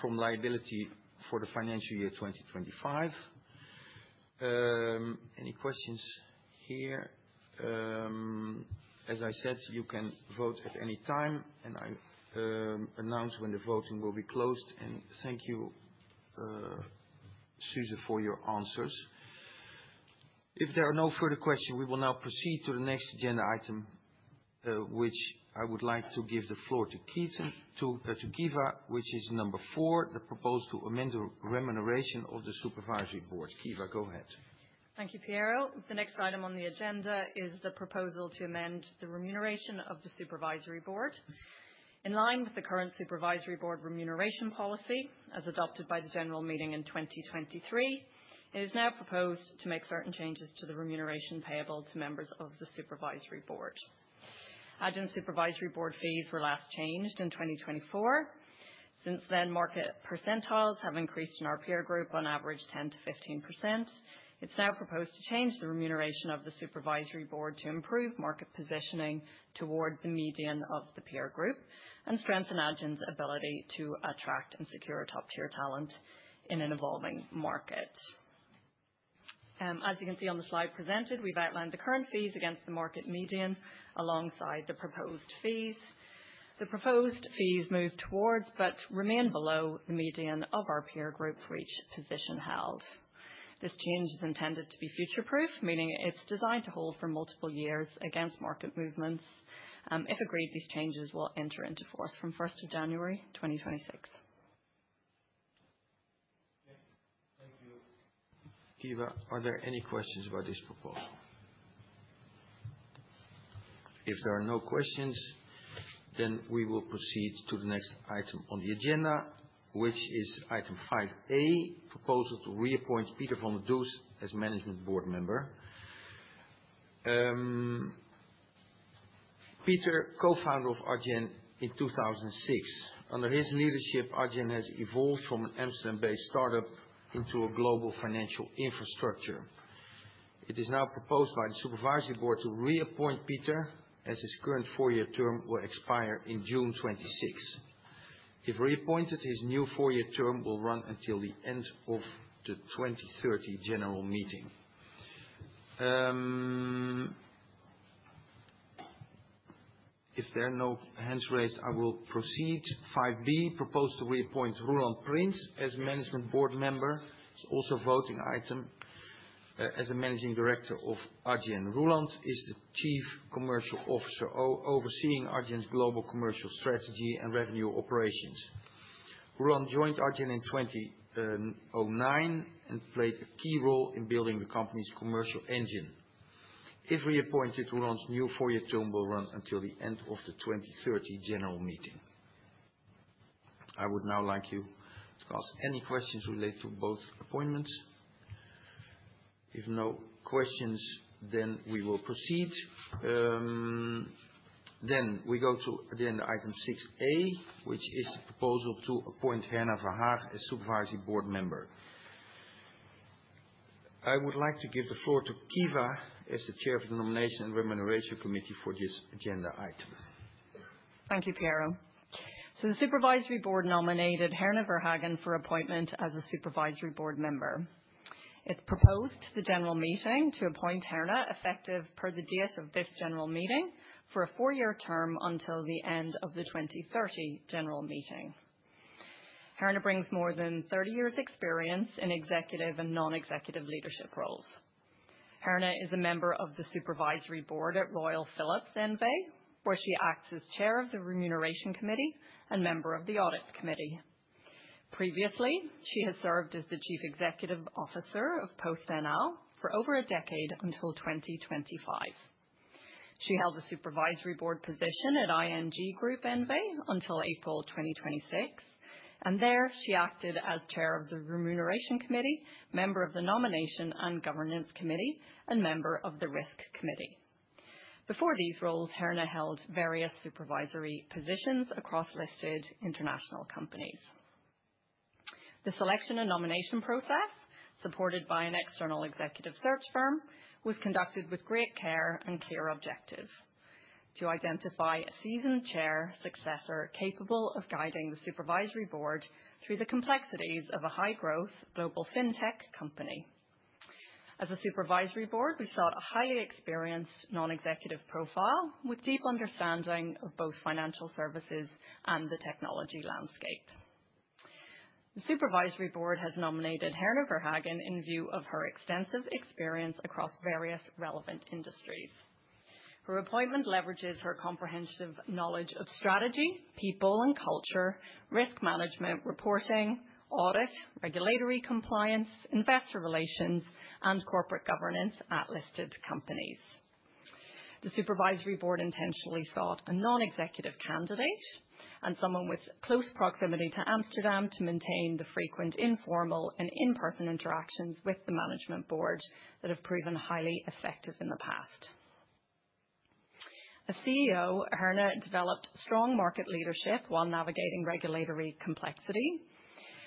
from liability for the financial year 2025. Any questions here? As I said, you can vote at any time, and I announce when the voting will be closed. Thank you, Suze, for your answers. If there are no further question, we will now proceed to the next agenda item, which I would like to give the floor to Caoimhe, which is number four, the proposal to amend the remuneration of the Supervisory Board. Caoimhe, go ahead. Thank you, Piero. The next item on the agenda is the proposal to amend the remuneration of the Supervisory Board. In line with the current Supervisory Board remuneration policy, as adopted by the general meeting in 2023, it is now proposed to make certain changes to the remuneration payable to members of the Supervisory Board. Adyen Supervisory Board fees were last changed in 2024. Since then, market percentiles have increased in our peer group on average 10%-15%. It's now proposed to change the remuneration of the Supervisory Board to improve market positioning towards the median of the peer group and strengthen Adyen's ability to attract and secure top-tier talent in an evolving market. As you can see on the slide presented, we've outlined the current fees against the market median alongside the proposed fees. The proposed fees move towards, but remain below the median of our peer group for each position held. This change is intended to be future-proof, meaning it is designed to hold for multiple years against market movements. If agreed, these changes will enter into force from 1st of January 2026. Thank you. Caoimhe, are there any questions about this proposal? If there are no questions, we will proceed to the next item on the agenda, which is item 5A, proposal to reappoint Pieter van der Does as Management Board member. Pieter, Co-Founder of Adyen in 2006. Under his leadership, Adyen has evolved from an Amsterdam-based startup into a global financial infrastructure. It is now proposed by the Supervisory Board to reappoint Pieter as his current four year term will expire in June 2026. If reappointed, his new four year term will run until the end of the 2030 general meeting. If there are no hands raised, I will proceed. 5B, proposal to reappoint Roelant Prins as Management Board member. It's also a voting item. As a Managing Director of Adyen, Roelant is the Chief Commercial Officer overseeing Adyen's global commercial strategy and revenue operations. Roelant joined Adyen in 2009 and played a key role in building the company's commercial engine. If reappointed, Roelant's new four year term will run until the end of the 2030 general meeting. I would now like you to ask any questions related to both appointments. If no questions, then we will proceed. We go to, again, item 6A, which is the proposal to appoint Herna Verhagen as a Supervisory Board member. I would like to give the floor to Caoimhe as the Chair for the Nomination and Remuneration Committee for this agenda item. Thank you, Piero. The Supervisory Board nominated Herna Verhagen for appointment as a Supervisory Board member. It's proposed to the general meeting to appoint Herna effective per the date of this general meeting for a four year term until the end of the 2030 general meeting. Herna brings more than 30 years' experience in executive and non-executive leadership roles. Herna is a Member of the Supervisory Board at Royal Philips N.V., where she acts as Chair of the Remuneration Committee and Member of the Audit Committee. Previously, she has served as the Chief Executive Officer of PostNL for over a decade until 2025. She held a Supervisory Board position at ING Group N.V. until April 2026, and there she acted as Chair of the Remuneration Committee, Member of the Nomination and Governance Committee, and Member of the Risk Committee. Before these roles, Herna held various Supervisory Board positions across listed international companies. The selection and nomination process, supported by an external executive search firm, was conducted with great care and clear objective to identify a seasoned chair successor capable of guiding the Supervisory Board through the complexities of a high-growth global fintech company. As a Supervisory Board, we sought a highly experienced non-executive profile with deep understanding of both financial services and the technology landscape. The Supervisory Board has nominated Herna Verhagen in view of her extensive experience across various relevant industries. Her appointment leverages her comprehensive knowledge of strategy, people and culture, risk management, reporting, audit, regulatory compliance, investor relations, and corporate governance at listed companies. The Supervisory Board intentionally sought a non-executive candidate and someone with close proximity to Amsterdam to maintain the frequent, informal, and in-person interactions with the Management Board that have proven highly effective in the past. As CEO, Herna developed strong market leadership while navigating regulatory complexity.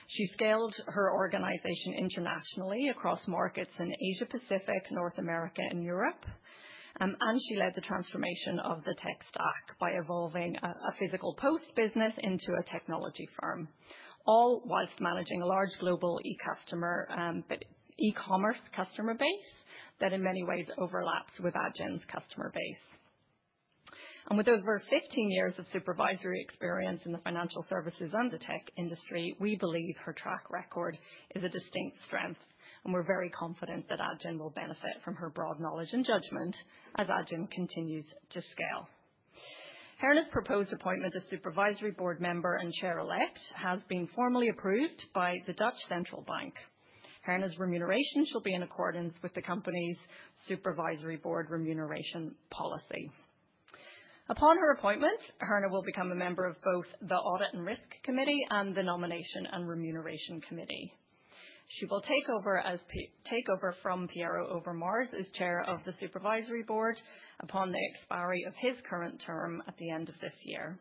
She scaled her organization internationally across markets in Asia-Pacific, North America, and Europe, and she led the transformation of the tech stack by evolving a physical post business into a technology firm, all whilst managing a large global e-commerce customer base that in many ways overlaps with Adyen's customer base. With over 15 years of supervisory experience in the financial services and the tech industry, we believe her track record is a distinct strength, and we're very confident that Adyen will benefit from her broad knowledge and judgment as Adyen continues to scale. Herna's proposed appointment as Supervisory Board member and chair-elect has been formally approved by the Dutch Central Bank. Herna's remuneration shall be in accordance with the company's Supervisory Board remuneration policy. Upon her appointment, Herna will become a member of both the Audit and Risk Committee and the Nomination and Remuneration Committee. She will take over from Piero Overmars as Chair of the Supervisory Board upon the expiry of his current term at the end of this year,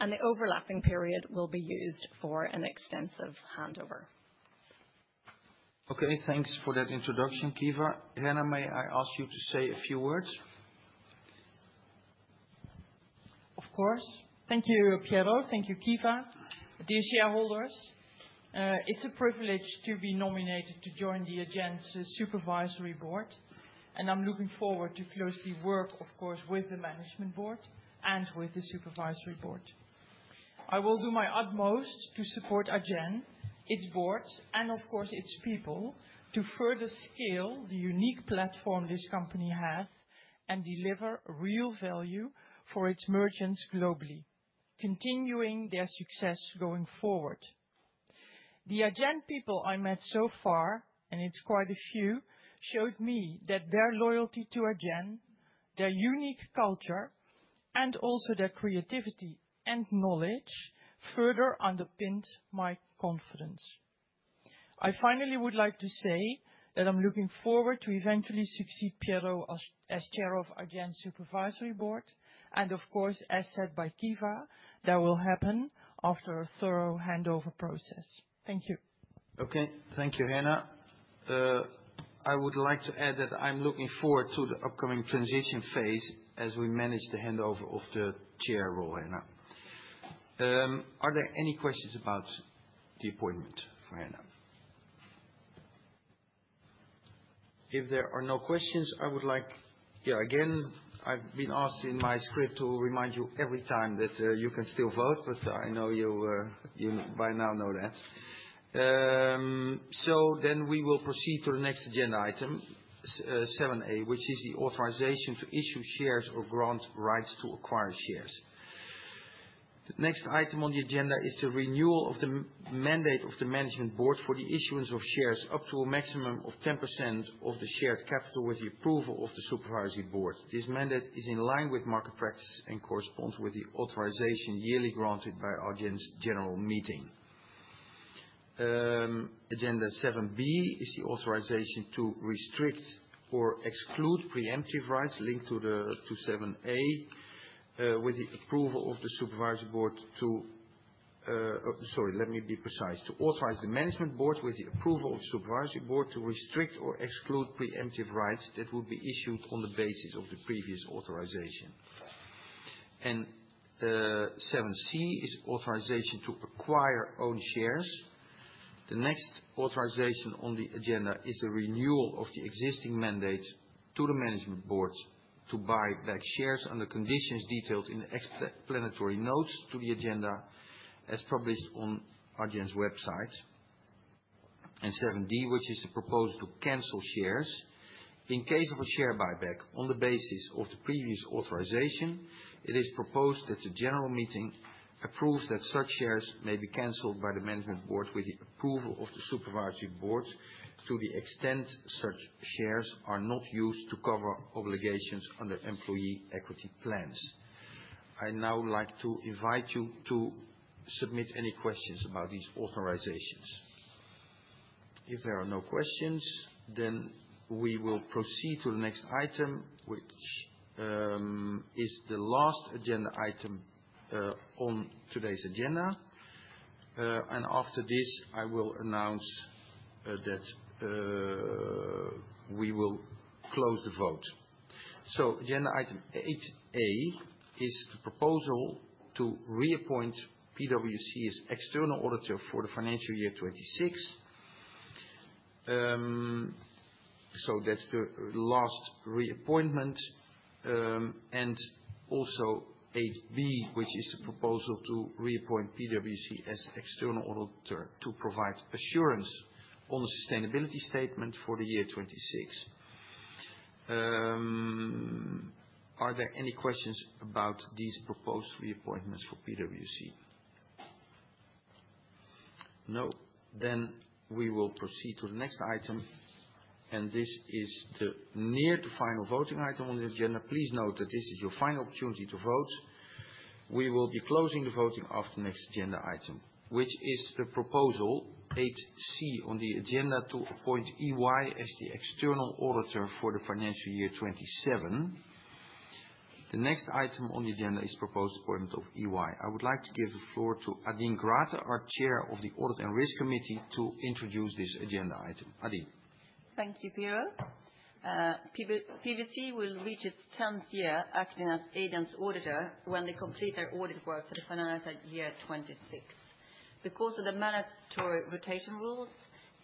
and the overlapping period will be used for an extensive handover. Okay, thanks for that introduction, Caoimhe. Herna, may I ask you to say a few words? Of course. Thank you, Piero. Thank you, Caoimhe. Dear shareholders, it's a privilege to be nominated to join the Adyen's Supervisory Board, and I'm looking forward to closely work, of course, with the Management Board and with the Supervisory Board. I will do my utmost to support Adyen, its boards, and of course, its people, to further scale the unique platform this company has and deliver real value for its merchants globally, continuing their success going forward. The Adyen people I met so far, and it's quite a few, showed me that their loyalty to Adyen, their unique culture, and also their creativity and knowledge, further underpinned my confidence. I finally would like to say that I'm looking forward to eventually succeed Piero as Chair of Adyen's Supervisory Board, and of course, as said by Caoimhe, that will happen after a thorough handover process. Thank you. Okay. Thank you, Herna. I would like to add that I'm looking forward to the upcoming transition phase as we manage the handover of the Chair role, Herna. Are there any questions about the appointment for Herna? If there are no questions, I've been asked in my script to remind you every time that you can still vote, but I know you by now know that. We will proceed to the next agenda item, 7A, which is the authorization to issue shares or grant rights to acquire shares. The next item on the agenda is the renewal of the mandate of the Management Board for the issuance of shares up to a maximum of 10% of the share capital with the approval of the Supervisory Board. This mandate is in line with market practices and corresponds with the authorization yearly granted by Adyen's general meeting. Agenda 7B is the authorization to restrict or exclude preemptive rights linked to 7A. Sorry, let me be precise. To authorize the Management Board with the approval of the Supervisory Board to restrict or exclude preemptive rights that will be issued on the basis of the previous authorization. 7C is authorization to acquire own shares. The next authorization on the agenda is the renewal of the existing mandate to the Management Boards to buy back shares on the conditions detailed in the explanatory notes to the agenda as published on Adyen's website. 7D, which is the proposal to cancel shares. In case of a share buyback on the basis of the previous authorization, it is proposed that the general meeting approves that such shares may be canceled by the Management Board with the approval of the Supervisory Board to the extent such shares are not used to cover obligations under employee equity plans. I now would like to invite you to submit any questions about these authorizations. If there are no questions, we will proceed to the next item, which is the last agenda item on today's agenda. After this, I will announce that we will close the vote. Agenda item 8A is the proposal to reappoint PwC as external auditor for the financial year 2026. That's the last reappointment. Also 8B, which is the proposal to reappoint PwC as external auditor to provide assurance on the sustainability statement for the year 2026. Are there any questions about these proposed reappointments for PwC? No. We will proceed to the next item, and this is the near to final voting item on this agenda. Please note that this is your final opportunity to vote. We will be closing the voting after the next agenda item, which is the proposal 8C on the agenda to appoint EY as the external auditor for the financial year 2027. The next item on the agenda is proposed appointment of EY. I would like to give the floor to Adine Grate, our Chair of the Audit and Risk Committee, to introduce this agenda item. Adine. Thank you, Piero. PwC will reach its 10th year acting as Adyen's auditor when they complete their audit work for the financial year 2026. Because of the mandatory rotation rules,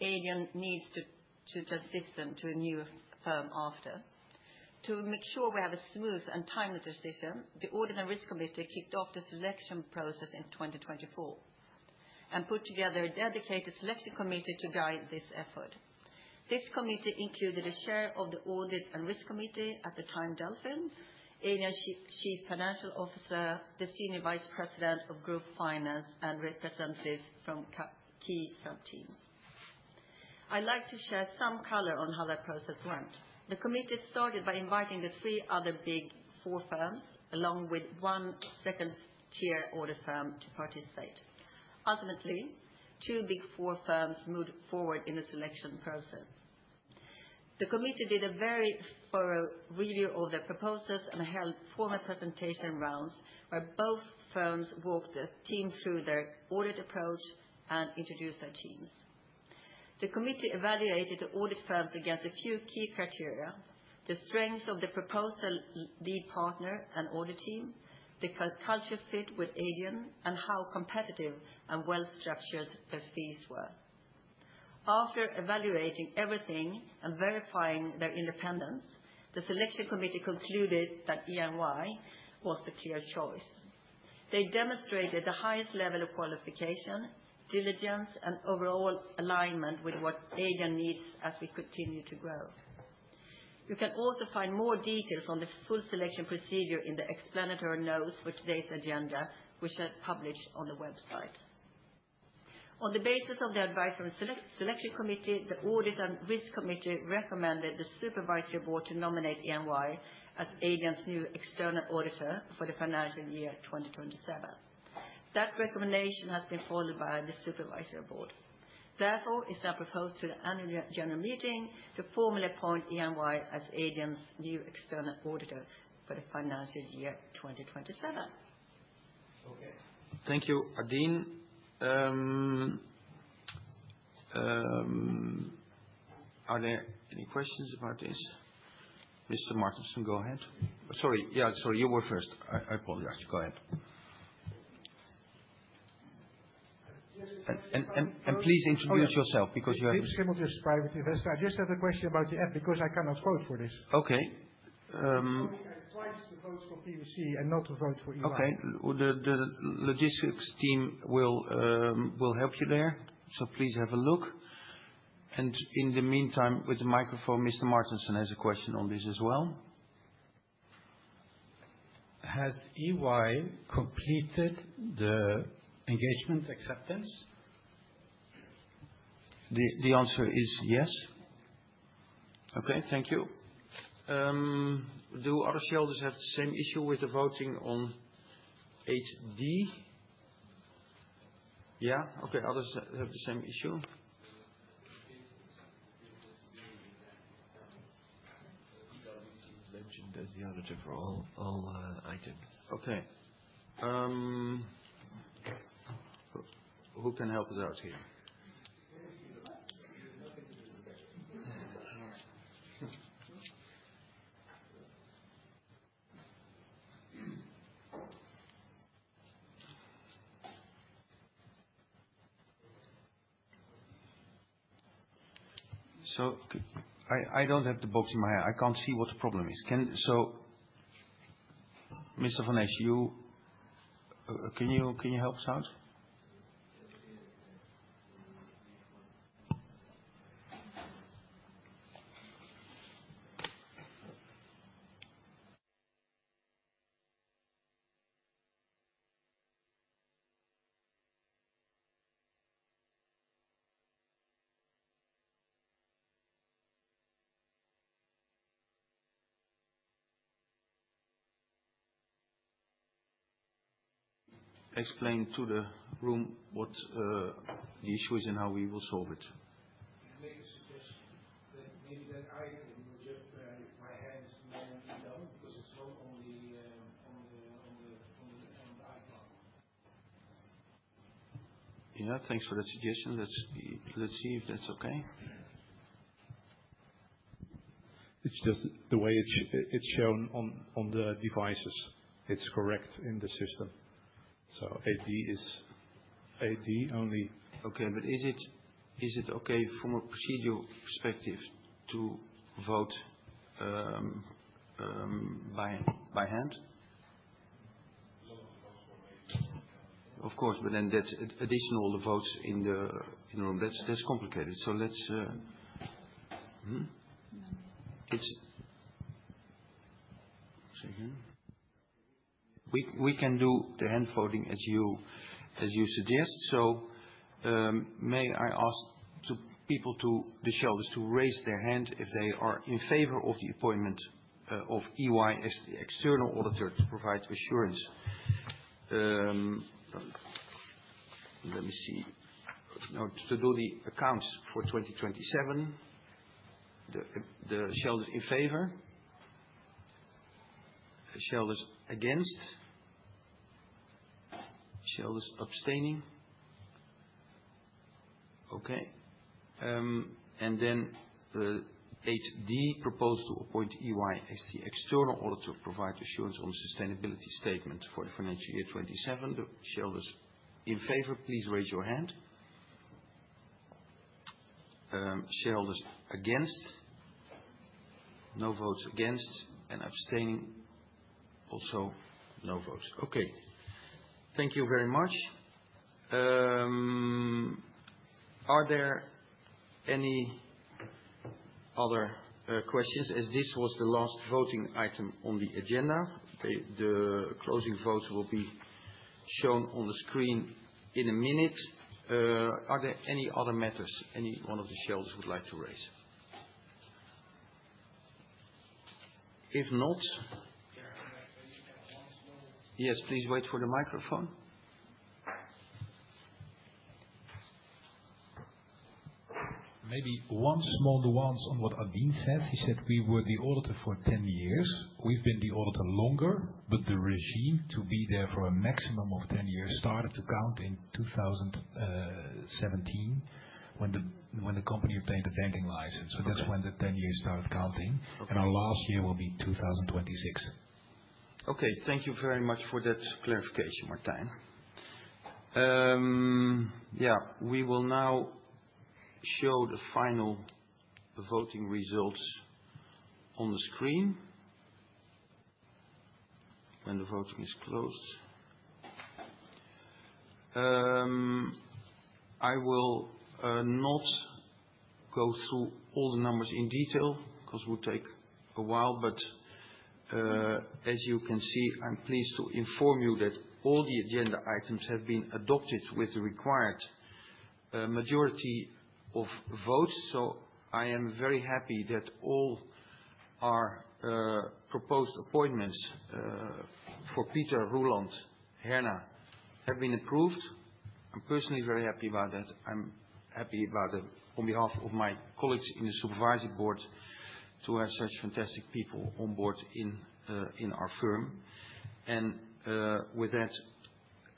Adyen needs to transition to a new firm after. To make sure we have a smooth and timely transition, the Audit and Risk committee kicked off the selection process in 2024. Put together a dedicated selection committee to guide this effort. This committee included a Chair of the Audit and Risk Committee at the time, Delfin, Adyen Chief Financial Officer, the Senior Vice President of Group Finance, and representatives from key sub-teams. I'd like to share some color on how that process went. The committee started by inviting the three other Big Four firms, along with one second-tier audit firm to participate. Ultimately, two Big Four firms moved forward in the selection process. The committee did a very thorough review of their proposals and held formal presentation rounds where both firms walked the team through their audit approach and introduced their teams. The committee evaluated the audit firms against a few key criteria, the strength of the proposal lead partner and audit team, the culture fit with Adyen, and how competitive and well-structured their fees were. After evaluating everything and verifying their independence, the selection committee concluded that EY was the clear choice. They demonstrated the highest level of qualification, diligence, and overall alignment with what Adyen needs as we continue to grow. You can also find more details on the full selection procedure in the explanatory notes for today's agenda, which are published on the website. On the basis of the advice from the selection committee, the Audit and Risk committee recommended the Supervisory Board to nominate EY as Adyen's new external auditor for the financial year 2027. That recommendation has been followed by the Supervisory Board. It's now proposed to the annual general meeting to formally appoint EY as Adyen's new external auditor for the financial year 2027. Okay. Thank you, Adine. Are there any questions about this? Mr. Martensen, go ahead. Sorry. Yeah, sorry. You were first. I apologize. Go ahead. Please introduce yourself because you have- Private investor. I just have a question about the app because I cannot vote for this. Okay. It's showing me twice the votes for PwC and not the vote for EY. Okay. The logistics team will help you there, so please have a look. In the meantime, with the microphone, Mr. Martensen has a question on this as well. Has EY completed the engagement acceptance? The answer is yes. Thank you. Do other shareholders have the same issue with the voting on 8D? Others have the same issue. Mentioned as the auditor for all items. Who can help us out here? I don't have the box in my hand. I can't see what the problem is. Mr. van Es, can you help us out? Explain to the room what the issue is and how we will solve it. Maybe suggest that maybe that item will just by hand, manually done because it's shown on the icon. Yeah. Thanks for that suggestion. Let's see if that's okay. It's just the way it's shown on the devices. It's correct in the system. 8D is 8D only. Okay. Is it okay from a procedural perspective to vote by hand? Of course, that's additional the votes in the room. That's complicated. We can do the hand voting as you suggest. May I ask people to, the shareholders, to raise their hand if they are in favor of the appointment of EY as the external auditor to provide assurance. Let me see. To do the accounts for 2027, the shareholders in favor. Shareholders against? Shareholders abstaining? Okay. The HD proposal to appoint EY as the external auditor provide assurance on sustainability statement for the financial year 2027. The shareholders in favor, please raise your hand. Shareholders against? No votes against. Abstaining? Also no votes. Okay. Thank you very much. Are there any other questions, as this was the last voting item on the agenda? The closing votes will be shown on the screen in a minute. Are there any other matters any one of the shareholders would like to raise? Yes, please wait for the microphone. Maybe one small nuance on what Adyen says. He said we were the auditor for 10 years. We've been the auditor longer, but the regime to be there for a maximum of 10 years started to count in 2017 when the company obtained the banking license. That's when the 10 years started counting. Okay. Our last year will be 2026. Okay. Thank you very much for that clarification, Martijn. We will now show the final voting results on the screen when the voting is closed. I will not go through all the numbers in detail because it will take a while, but, as you can see, I'm pleased to inform you that all the agenda items have been adopted with the required majority of votes. I am very happy that all our proposed appointments for Pieter, Roelant, Herna have been approved. I'm personally very happy about that. I'm happy about it on behalf of my colleagues in the Supervisory Board to have such fantastic people on board in our firm. With that,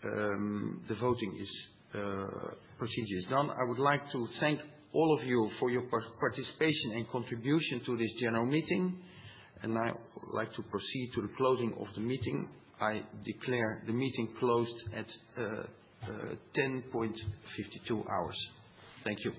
the voting procedure is done. I would like to thank all of you for your participation and contribution to this general meeting, and I would like to proceed to the closing of the meeting. I declare the meeting closed at 10.52 hours. Thank you.